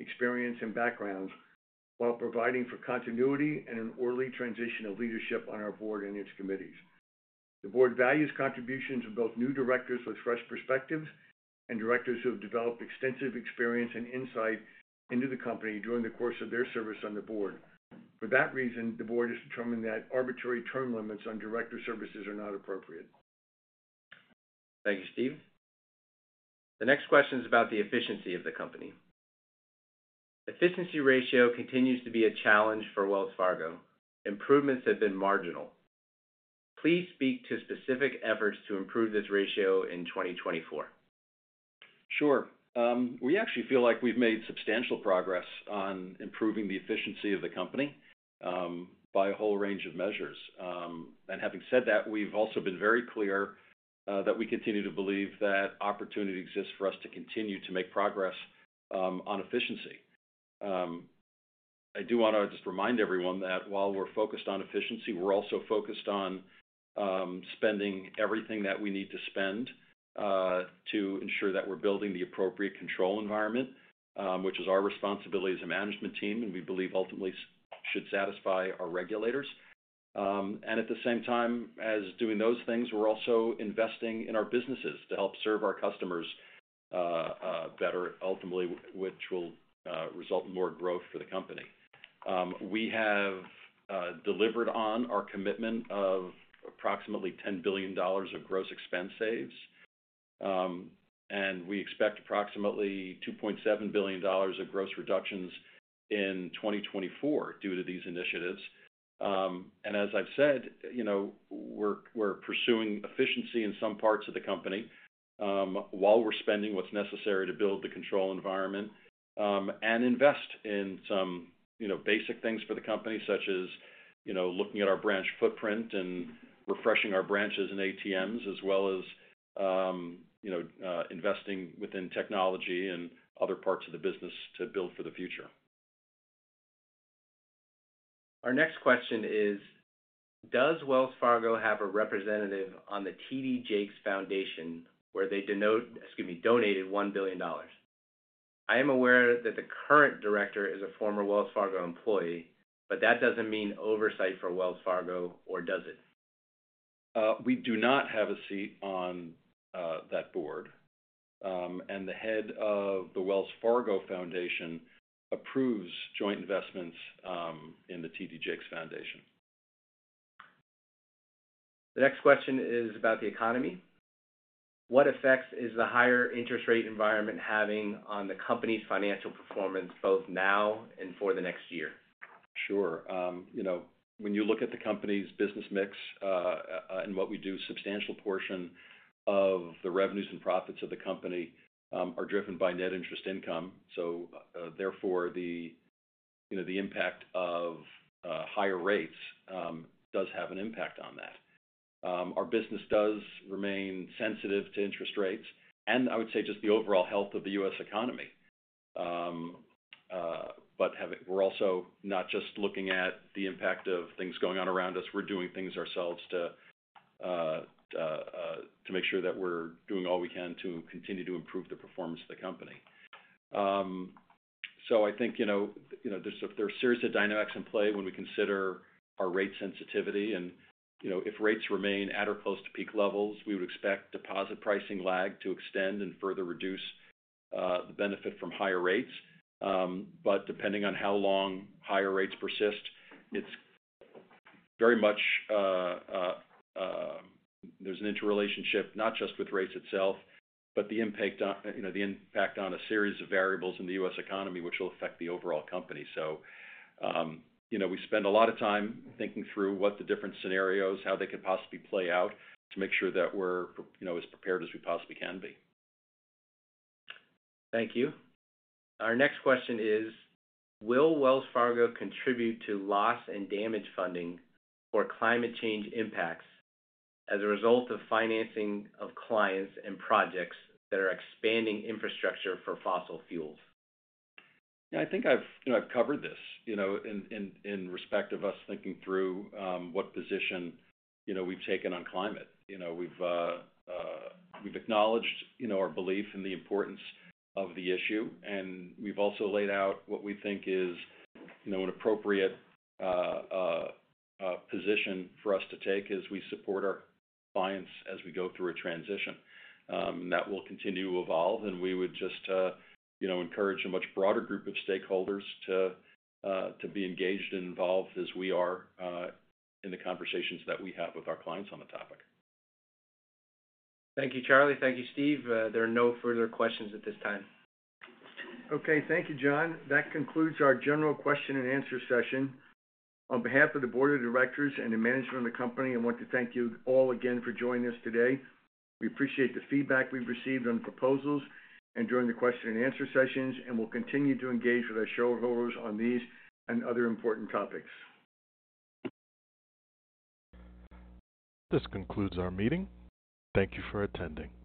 Speaker 2: experience, and backgrounds, while providing for continuity and an orderly transition of leadership on our board and its committees. The board values contributions of both new directors with fresh perspectives, and directors who have developed extensive experience and insight into the company during the course of their service on the board. For that reason, the board has determined that arbitrary term limits on director services are not appropriate.
Speaker 8: Thank you, Steve. The next question is about the efficiency of the company. Efficiency ratio continues to be a challenge for Wells Fargo. Improvements have been marginal. Please speak to specific efforts to improve this ratio in 2024.
Speaker 9: Sure. We actually feel like we've made substantial progress on improving the efficiency of the company, by a whole range of measures. Having said that, we've also been very clear, that we continue to believe that opportunity exists for us to continue to make progress, on efficiency. I do want to just remind everyone that while we're focused on efficiency, we're also focused on spending everything that we need to spend, to ensure that we're building the appropriate control environment, which is our responsibility as a management team, and we believe ultimately should satisfy our regulators. At the same time as doing those things, we're also investing in our businesses to help serve our customers better ultimately, which will result in more growth for the company. We have delivered on our commitment of approximately $10 billion of gross expense saves, and we expect approximately $2.7 billion of gross reductions in 2024 due to these initiatives. And as I've said, you know, we're pursuing efficiency in some parts of the company, while we're spending what's necessary to build the control environment, and invest in some, you know, basic things for the company, such as, you know, looking at our branch footprint and refreshing our branches and ATMs, as well as, you know, investing within technology and other parts of the business to build for the future.
Speaker 8: Our next question is: Does Wells Fargo have a representative on the T.D. Jakes Foundation, where they denote, excuse me, donated $1 billion? I am aware that the current director is a former Wells Fargo employee, but that doesn't mean oversight for Wells Fargo, or does it?
Speaker 9: We do not have a seat on that board. The head of the Wells Fargo Foundation approves joint investments in the T.D. Jakes Foundation.
Speaker 8: The next question is about the economy. What effects is the higher interest rate environment having on the company's financial performance, both now and for the next year?
Speaker 9: Sure. You know, when you look at the company's business mix, and what we do, substantial portion of the revenues and profits of the company are driven by net interest income. So, therefore, you know, the impact of higher rates does have an impact on that. Our business does remain sensitive to interest rates, and I would say just the overall health of the U.S. economy. But we're also not just looking at the impact of things going on around us, we're doing things ourselves to make sure that we're doing all we can to continue to improve the performance of the company. So I think, you know, you know, there's a series of dynamics in play when we consider our rate sensitivity and, you know, if rates remain at or close to peak levels, we would expect deposit pricing lag to extend and further reduce the benefit from higher rates. But depending on how long higher rates persist, it's very much there's an interrelationship, not just with rates itself, but the impact on, you know, the impact on a series of variables in the U.S. economy, which will affect the overall company. So, you know, we spend a lot of time thinking through what the different scenarios, how they could possibly play out, to make sure that we're, you know, as prepared as we possibly can be.
Speaker 8: Thank you. Our next question is: Will Wells Fargo contribute to loss and damage funding for climate change impacts as a result of financing of clients and projects that are expanding infrastructure for fossil fuels?
Speaker 9: Yeah, I think I've, you know, I've covered this, you know, in respect of us thinking through what position, you know, we've taken on climate. You know, we've acknowledged, you know, our belief in the importance of the issue, and we've also laid out what we think is, you know, an appropriate position for us to take as we support our clients as we go through a transition. That will continue to evolve, and we would just, you know, encourage a much broader group of stakeholders to be engaged and involved as we are in the conversations that we have with our clients on the topic.
Speaker 8: Thank you, Charlie. Thank you, Steve. There are no further questions at this time.
Speaker 2: Okay, thank you, John. That concludes our general question-and-answer session. On behalf of the board of directors and the management of the company, I want to thank you all again for joining us today. We appreciate the feedback we've received on proposals and during the question-and-answer sessions, and we'll continue to engage with our shareholders on these and other important topics.
Speaker 1: This concludes our meeting. Thank you for attending.